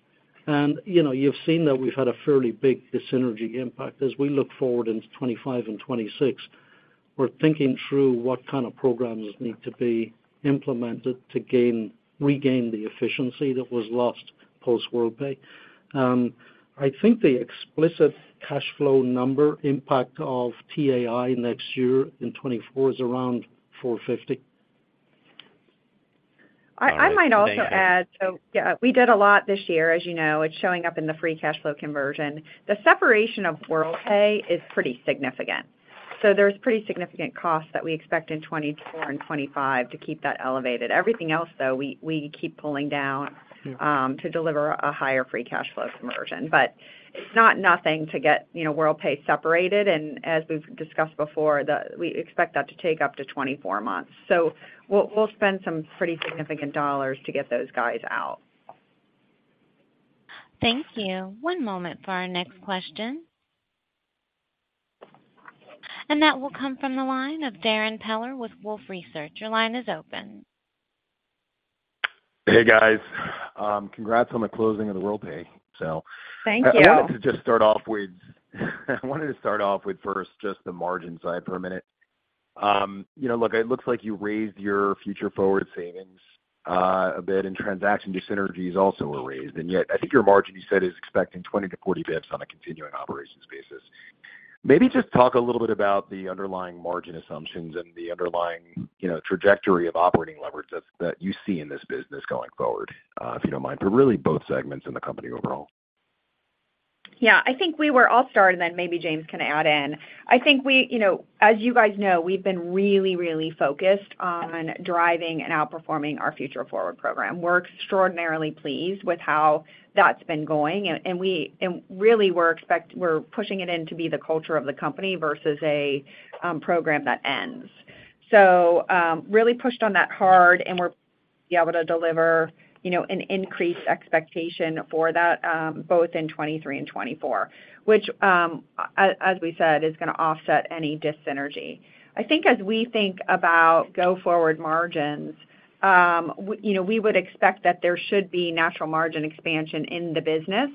And, you know, you've seen that we've had a fairly big dissynergy impact. As we look forward into 2025 and 2026, we're thinking through what kind of programs need to be implemented to regain the efficiency that was lost post-Worldpay. I think the explicit cash flow number impact of T&I next year, in 2024, is around $450. I might also add- All right. Okay. So yeah, we did a lot this year, as you know. It's showing up in the free cash flow conversion. The separation of Worldpay is pretty significant. So there's pretty significant costs that we expect in 2024 and 2025 to keep that elevated. Everything else, though, we keep pulling down- Yeah To deliver a higher free cash flow conversion. But it's not nothing to get, you know, Worldpay separated, and as we've discussed before, we expect that to take up to 24 months. So we'll, we'll spend some pretty significant dollars to get those guys out. Thank you. One moment for our next question. That will come from the line of Darrin Peller with Wolfe Research. Your line is open. Hey, guys. Congrats on the closing of the Worldpay, so- Thank you. Yeah. I wanted to start off with first just the margin side for a minute. You know, look, it looks like you raised your Future Forward savings a bit, and transaction dissynergies also were raised, and yet I think your margin, you said, is expecting 20-40 basis points on a continuing operations basis. Maybe just talk a little bit about the underlying margin assumptions and the underlying, you know, trajectory of operating leverage that you see in this business going forward, if you don't mind, but really both segments in the company overall. Yeah. I think we were all started, and then maybe James can add in. I think you know, as you guys know, we've been really, really focused on driving and outperforming our Future Forward program. We're extraordinarily pleased with how that's been going, and really, we're pushing it in to be the culture of the company versus a program that ends. So, really pushed on that hard, and we're be able to deliver, you know, an increased expectation for that both in 2023 and 2024, which, as we said, is gonna offset any dyssynergy. I think as we think about go-forward margins, you know, we would expect that there should be natural margin expansion in the business,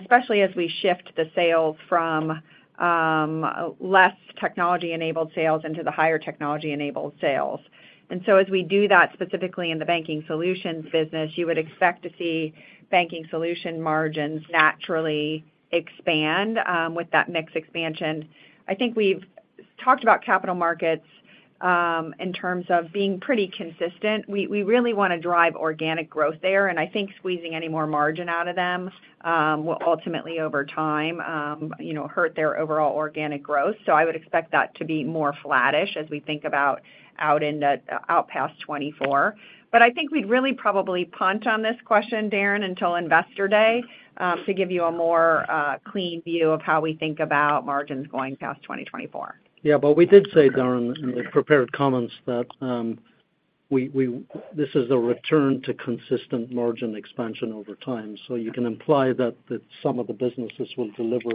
especially as we shift the sales from less technology-enabled sales into the higher technology-enabled sales. And so as we do that, specifically in the Banking Solutions business, you would expect to see Banking Solution margins naturally expand, with that mix expansion. I think we've talked about Capital Markets, in terms of being pretty consistent. We really want to drive organic growth there, and I think squeezing any more margin out of them, will ultimately, over time, you know, hurt their overall organic growth. So I would expect that to be more flattish as we think about out past 2024. But I think we'd really probably punt on this question, Darrin, until Investor Day, to give you a more, clean view of how we think about margins going past 2024. Yeah, but we did say, Darrin, in the prepared comments that we this is a return to consistent margin expansion over time. So you can imply that some of the businesses will deliver,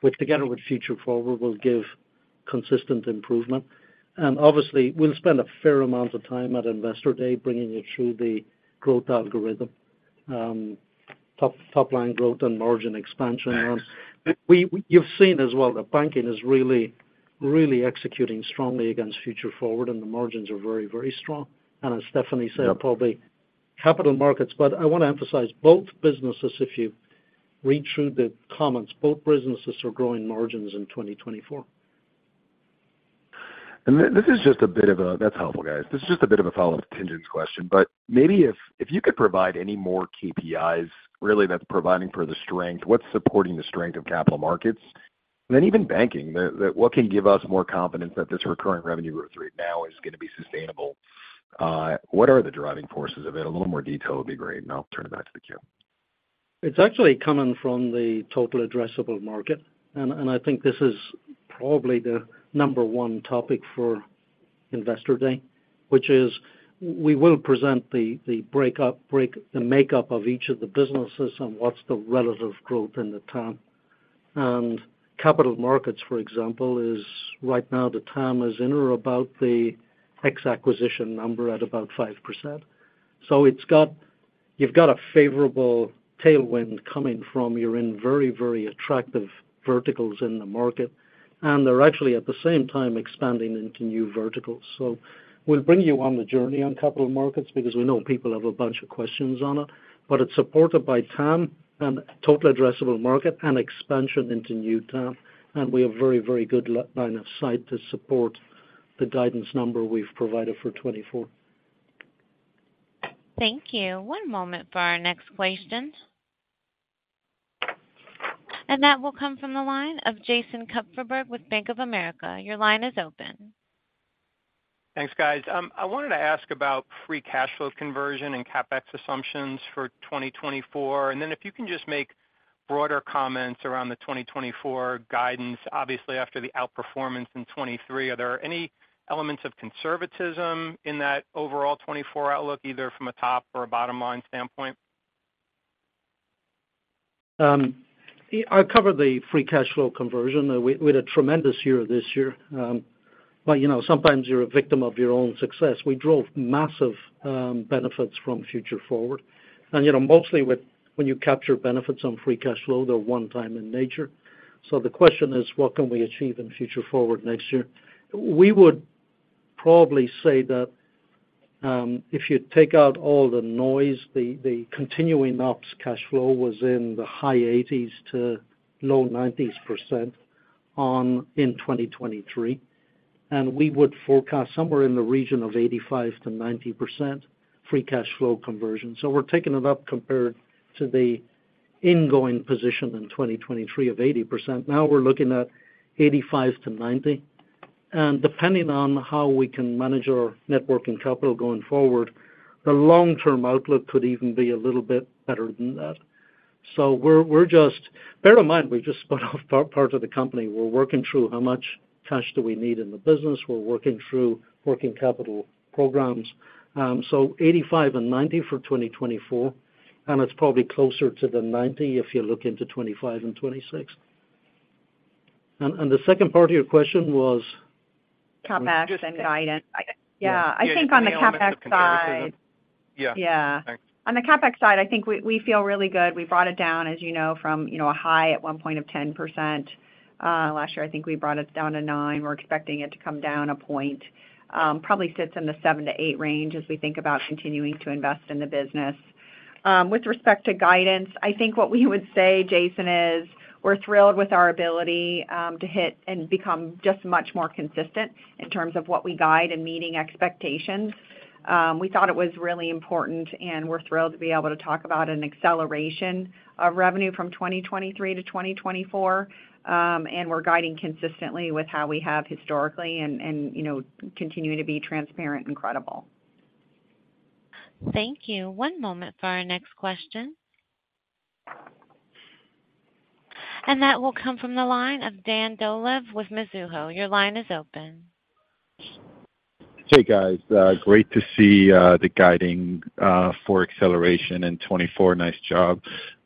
which together with Future Forward, will give consistent improvement. And obviously, we'll spend a fair amount of time at Investor Day bringing you through the growth algorithm, top line growth and margin expansion. You've seen as well that Banking is really, really executing strongly against Future Forward, and the margins are very, very strong. And as Stephanie said, probably Capital Markets. But I want to emphasize both businesses, if you read through the comments, both businesses are growing margins in 2024. This is just a bit of a. That's helpful, guys. This is just a bit of a follow-up to Tien-tsin's question. But maybe if you could provide any more KPIs, really, that's providing for the strength, what's supporting the strength of Capital Markets? And then even banking, the what can give us more confidence that this recurring revenue growth rate now is going to be sustainable? What are the driving forces of it? A little more detail would be great, and I'll turn it back to the queue. It's actually coming from the total addressable market. And I think this is probably the number one topic for Investor Day, which is we will present the breakup, the makeup of each of the businesses and what's the relative growth in the TAM. And Capital Markets, for example, is right now the TAM is in or about the ex-acquisition number at about 5%. So it's got you've got a favorable tailwind coming from you're in very, very attractive verticals in the market, and they're actually, at the same time, expanding into new verticals. So we'll bring you on the journey on Capital Markets because we know people have a bunch of questions on it, but it's supported by TAM and total addressable market and expansion into new TAM. We have very, very good line of sight to support the guidance number we've provided for 2024. Thank you. One moment for our next question. That will come from the line of Jason Kupferberg with Bank of America. Your line is open. Thanks, guys. I wanted to ask about free cash flow conversion and CapEx assumptions for 2024. And then if you can just make broader comments around the 2024 guidance. Obviously, after the outperformance in 2023, are there any elements of conservatism in that overall 2024 outlook, either from a top or a bottom-line standpoint? I covered the free cash flow conversion. We had a tremendous year this year. But, you know, sometimes you're a victim of your own success. We drove massive benefits from Future Forward. And, you know, mostly when you capture benefits on free cash flow, they're one time in nature. So the question is, what can we achieve in Future Forward next year? We would probably say that, if you take out all the noise, the continuing ops cash flow was in the high 80s%-low 90s% on, in 2023, and we would forecast somewhere in the region of 85%-90% free cash flow conversion. So we're taking it up compared to the ingoing position in 2023 of 80%. Now we're looking at 85%-90%. Depending on how we can manage our working capital going forward, the long-term outlook could even be a little bit better than that. So we're just—bear in mind, we just spun off part of the company. We're working through how much cash do we need in the business. We're working through working capital programs. So 85%-90% for 2024, and it's probably closer to the 90% if you look into 2025 and 2026. And the second part of your question was? CapEx and guidance. I, yeah, I think on the CapEx side- Yeah. Yeah. Thanks. On the CapEx side, I think we feel really good. We brought it down, as you know, from a high at one point of 10%. Last year, I think we brought it down to 9%. We're expecting it to come down a point. Probably sits in the 7%-8% range as we think about continuing to invest in the business. With respect to guidance, I think what we would say, Jason, is we're thrilled with our ability to hit and become just much more consistent in terms of what we guide and meeting expectations. We thought it was really important, and we're thrilled to be able to talk about an acceleration of revenue from 2023 to 2024. And we're guiding consistently with how we have historically and, you know, continuing to be transparent and credible. Thank you. One moment for our next question. That will come from the line of Dan Dolev with Mizuho. Your line is open. Hey, guys, great to see the guiding for acceleration in 2024. Nice job.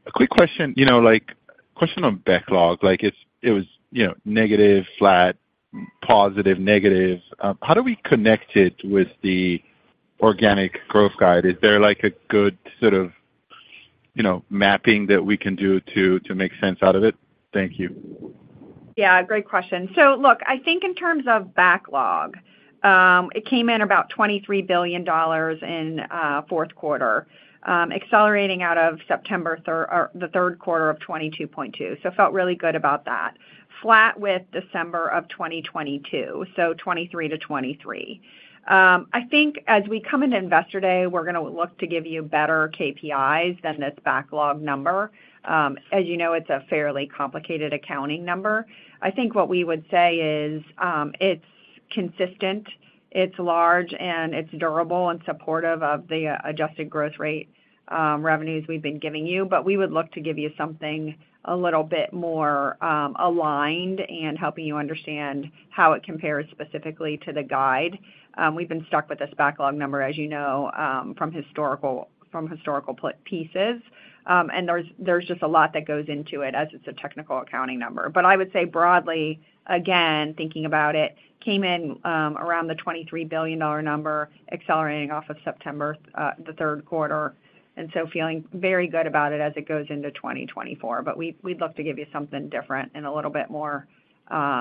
A quick question, you know, like, question on backlog. Like, it's- it was, you know, negative, flat, positive, negative. How do we connect it with the organic growth guide? Is there like, a good sort of you know, mapping that we can do to, to make sense out of it? Thank you. Yeah, great question. So look, I think in terms of backlog, it came in about $23 billion in fourth quarter, accelerating out of September third quarter of 22.2. So it felt really good about that. Flat with December of 2022, so 2023 to2023. I think as we come into Investor Day, we're gonna look to give you better KPIs than this backlog number. As you know, it's a fairly complicated accounting number. I think what we would say is, it's consistent, it's large, and it's durable and supportive of the adjusted growth rate revenues we've been giving you. But we would look to give you something a little bit more aligned in helping you understand how it compares specifically to the guide. We've been stuck with this backlog number, as you know, from historical pieces. And there's just a lot that goes into it, as it's a technical accounting number. But I would say broadly, again, thinking about it, came in around the $23 billion number, accelerating off of September, the third quarter, and so feeling very good about it as it goes into 2024. But we'd love to give you something different and a little bit more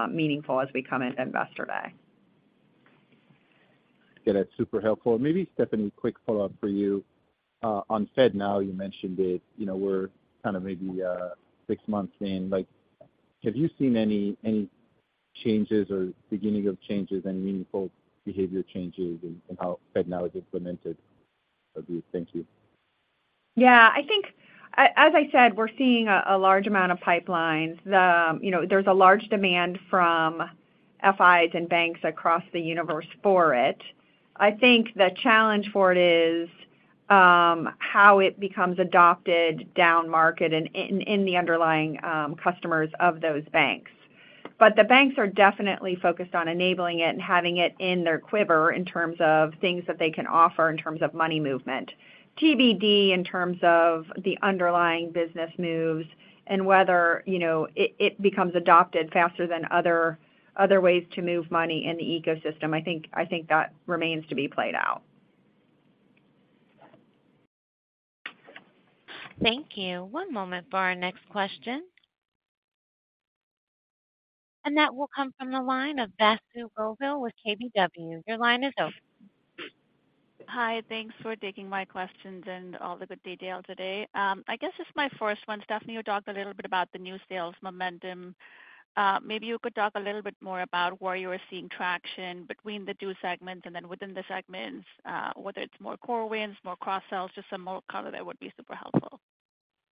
meaningful as we come into Investor Day. Yeah, that's super helpful. Maybe, Stephanie, quick follow-up for you. On FedNow, you mentioned it, you know, we're kind of maybe, six months in, like, have you seen any, any changes or beginning of changes, any meaningful behavior changes in, in how FedNow is implemented? Thank you. Yeah. I think, as I said, we're seeing a large amount of pipelines. You know, there's a large demand from FIs and banks across the universe for it. I think the challenge for it is how it becomes adopted downmarket and in the underlying customers of those banks. But the banks are definitely focused on enabling it and having it in their quiver in terms of things that they can offer in terms of money movement. TBD, in terms of the underlying business moves and whether, you know, it becomes adopted faster than other ways to move money in the ecosystem. I think that remains to be played out. Thank you. One moment for our next question. That will come from the line of Vasu Govil with KBW. Your line is open. Hi, thanks for taking my questions and all the good detail today. I guess just my first one, Stephanie, you talked a little bit about the new sales momentum. Maybe you could talk a little bit more about where you are seeing traction between the two segments and then within the segments, whether it's more core wins, more cross sells, just some more color there would be super helpful.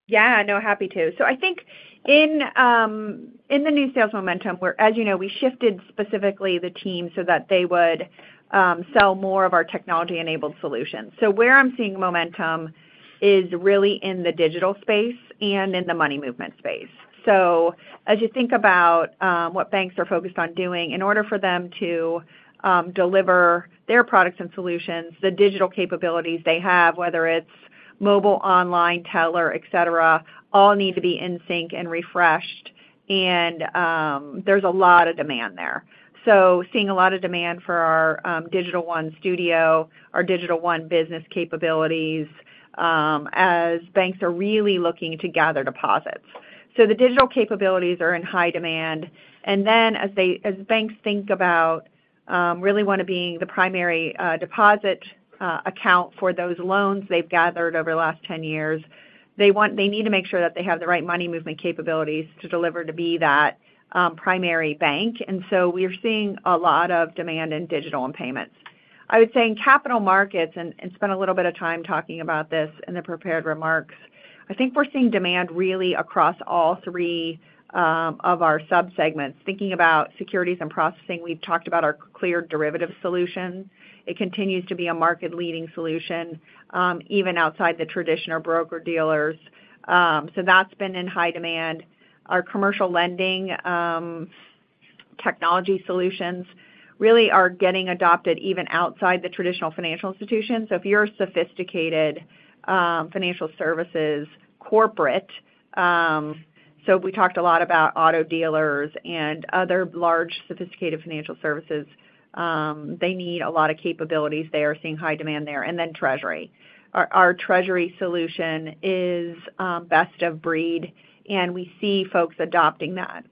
Yeah, no, happy to. So I think in the new sales momentum, where, as you know, we shifted specifically the team so that they would sell more of our technology-enabled solutions. So where I'm seeing momentum is really in the digital space and in the money movement space. So as you think about what banks are focused on doing, in order for them to deliver their products and solutions, the digital capabilities they have, whether it's mobile, online, teller, et cetera, all need to be in sync and refreshed, and there's a lot of demand there. So seeing a lot of demand for our Digital One Studio, our Digital One Business capabilities as banks are really looking to gather deposits. So the digital capabilities are in high demand. And then as they as banks think about really want to being the primary deposit account for those loans they've gathered over the last 10 years, they want they need to make sure that they have the right money movement capabilities to deliver to be that primary bank. And so we are seeing a lot of demand in digital and payments. I would say in Capital Markets, and spent a little bit of time talking about this in the prepared remarks, I think we're seeing demand really across all three of our subsegments. Thinking about securities and processing, we've talked about our Cleared Derivatives solution. It continues to be a market-leading solution, even outside the traditional broker-dealers. So that's been in high demand. Our Commercial Lending Technology Solutions really are getting adopted even outside the traditional financial institutions. So if you're a sophisticated, financial services corporate. So we talked a lot about auto dealers and other large, sophisticated financial services. They need a lot of capabilities. They are seeing high demand there. And then treasury. Our Treasury solution is best of breed, and we see folks adopting that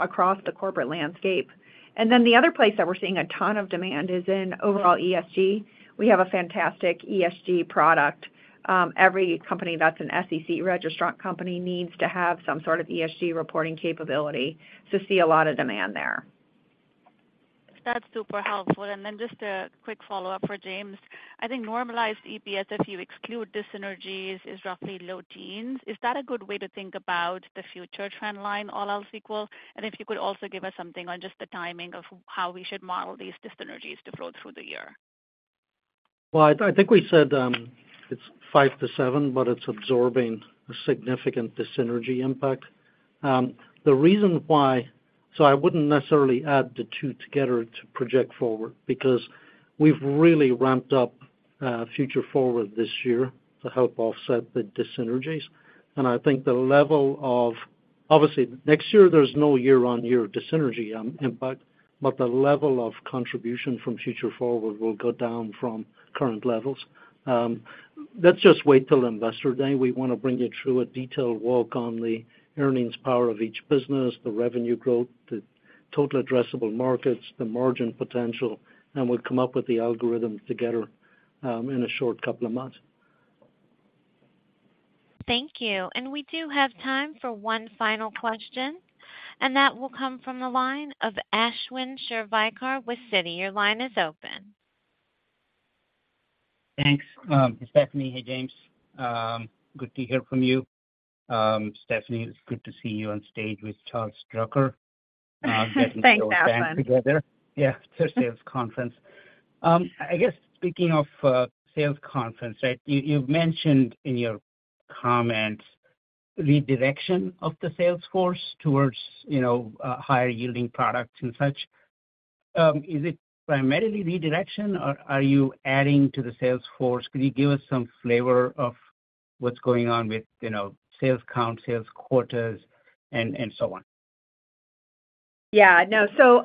across the corporate landscape. And then the other place that we're seeing a ton of demand is in overall ESG. We have a fantastic ESG product. Every company that's an SEC registrant company needs to have some sort of ESG reporting capability, so see a lot of demand there. That's super helpful. And then just a quick follow-up for James. I think normalized EPS, if you exclude dissynergies, is roughly low teens. Is that a good way to think about the future trend line, all else equal? And if you could also give us something on just the timing of how we should model these dissynergies to flow through the year. Well, I think we said, it's 5%-7%, but it's absorbing a significant dyssynergy impact. The reason why, so I wouldn't necessarily add the two together to project forward, because we've really ramped up Future Forward this year to help offset the dissynergies. And I think the level of, obviously, next year, there's no year-on-year dyssynergy impact, but the level of contribution from Future Forward will go down from current levels. Let's just wait till Investor Day. We want to bring you through a detailed walk on the earnings power of each business, the revenue growth, the total addressable markets, the margin potential, and we'll come up with the algorithm together in a short couple of months. Thank you. And we do have time for one final question, and that will come from the line of Ashwin Shirvaikar with Citi. Your line is open. Thanks, Stephanie. Hey, James. Good to hear from you. Stephanie, it's good to see you on stage with Charles Drucker. Thanks, Ashwin. Getting those band together. Yeah, it's a sales conference. I guess speaking of sales conference, right, you, you've mentioned in your comments redirection of the sales force towards, you know, higher-yielding products and such. Is it primarily redirection, or are you adding to the sales force? Could you give us some flavor of what's going on with, you know, sales count, sales quarters, and so on? Yeah. No. So,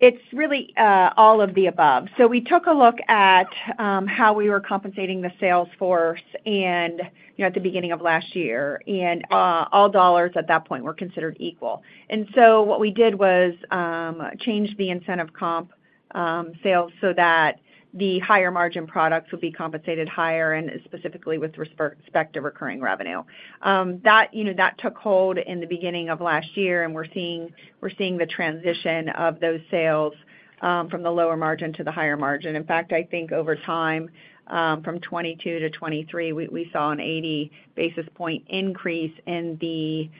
it's really all of the above. So we took a look at how we were compensating the sales force and, you know, at the beginning of last year, and all dollars at that point were considered equal. And so what we did was change the incentive comp sales so that the higher margin products would be compensated higher and specifically with respect to recurring revenue. That, you know, that took hold in the beginning of last year, and we're seeing, we're seeing the transition of those sales from the lower margin to the higher margin. In fact, I think over time, from 2022-2023, we, we saw an 80 basis point increase in the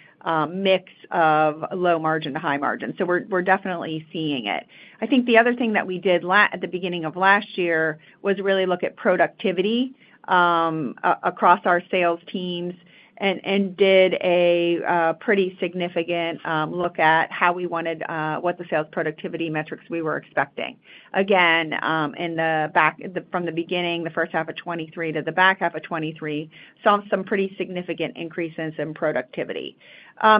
mix of low margin to high margin. So we're, we're definitely seeing it. I think the other thing that we did at the beginning of last year was really look at productivity, across our sales teams and did a pretty significant look at how we wanted what the sales productivity metrics we were expecting. Again, from the beginning, the first half of 2023 to the back half of 2023, saw some pretty significant increases in productivity.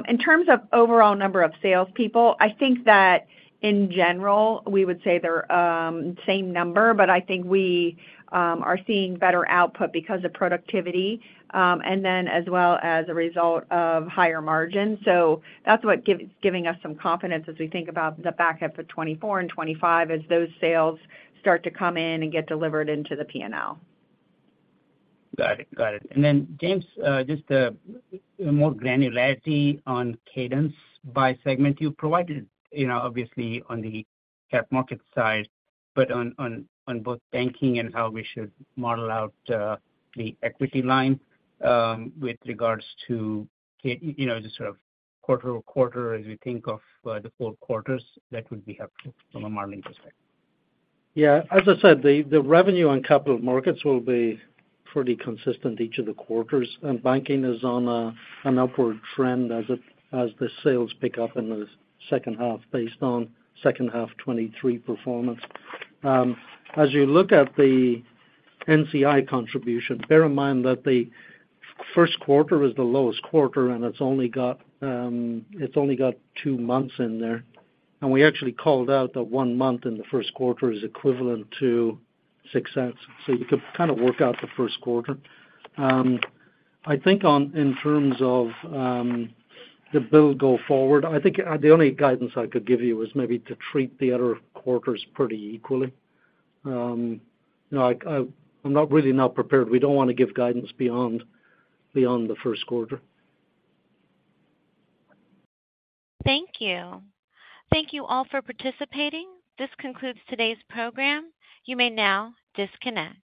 In terms of overall number of salespeople, I think that in general, we would say they're same number, but I think we are seeing better output because of productivity, and then as well as a result of higher margin. So that's what giving us some confidence as we think about the back half of 2024 and 2025 as those sales start to come in and get delivered into the P&L. Got it. Got it. And then, James, just more granularity on cadence by segment. You provided, you know, obviously on the cap market side, but on both Banking and how we should model out the equity line with regards to you know, just sort of quarter-over-quarter, as we think of the four quarters, that would be helpful from a modeling perspective. Yeah. As I said, the revenue on Capital Markets will be pretty consistent each of the quarters, and banking is on an upward trend as the sales pick up in the second half based on second half 2023 performance. As you look at the NCI contribution, bear in mind that the first quarter is the lowest quarter, and it's only got two months in there. And we actually called out that one month in the first quarter is equivalent to $0.06, so you could kind of work out the first quarter. I think, in terms of the backlog going forward, the only guidance I could give you is maybe to treat the other quarters pretty equally. You know, I, I, I'm not really not prepared. We don't want to give guidance beyond the first quarter. Thank you. Thank you all for participating. This concludes today's program. You may now disconnect.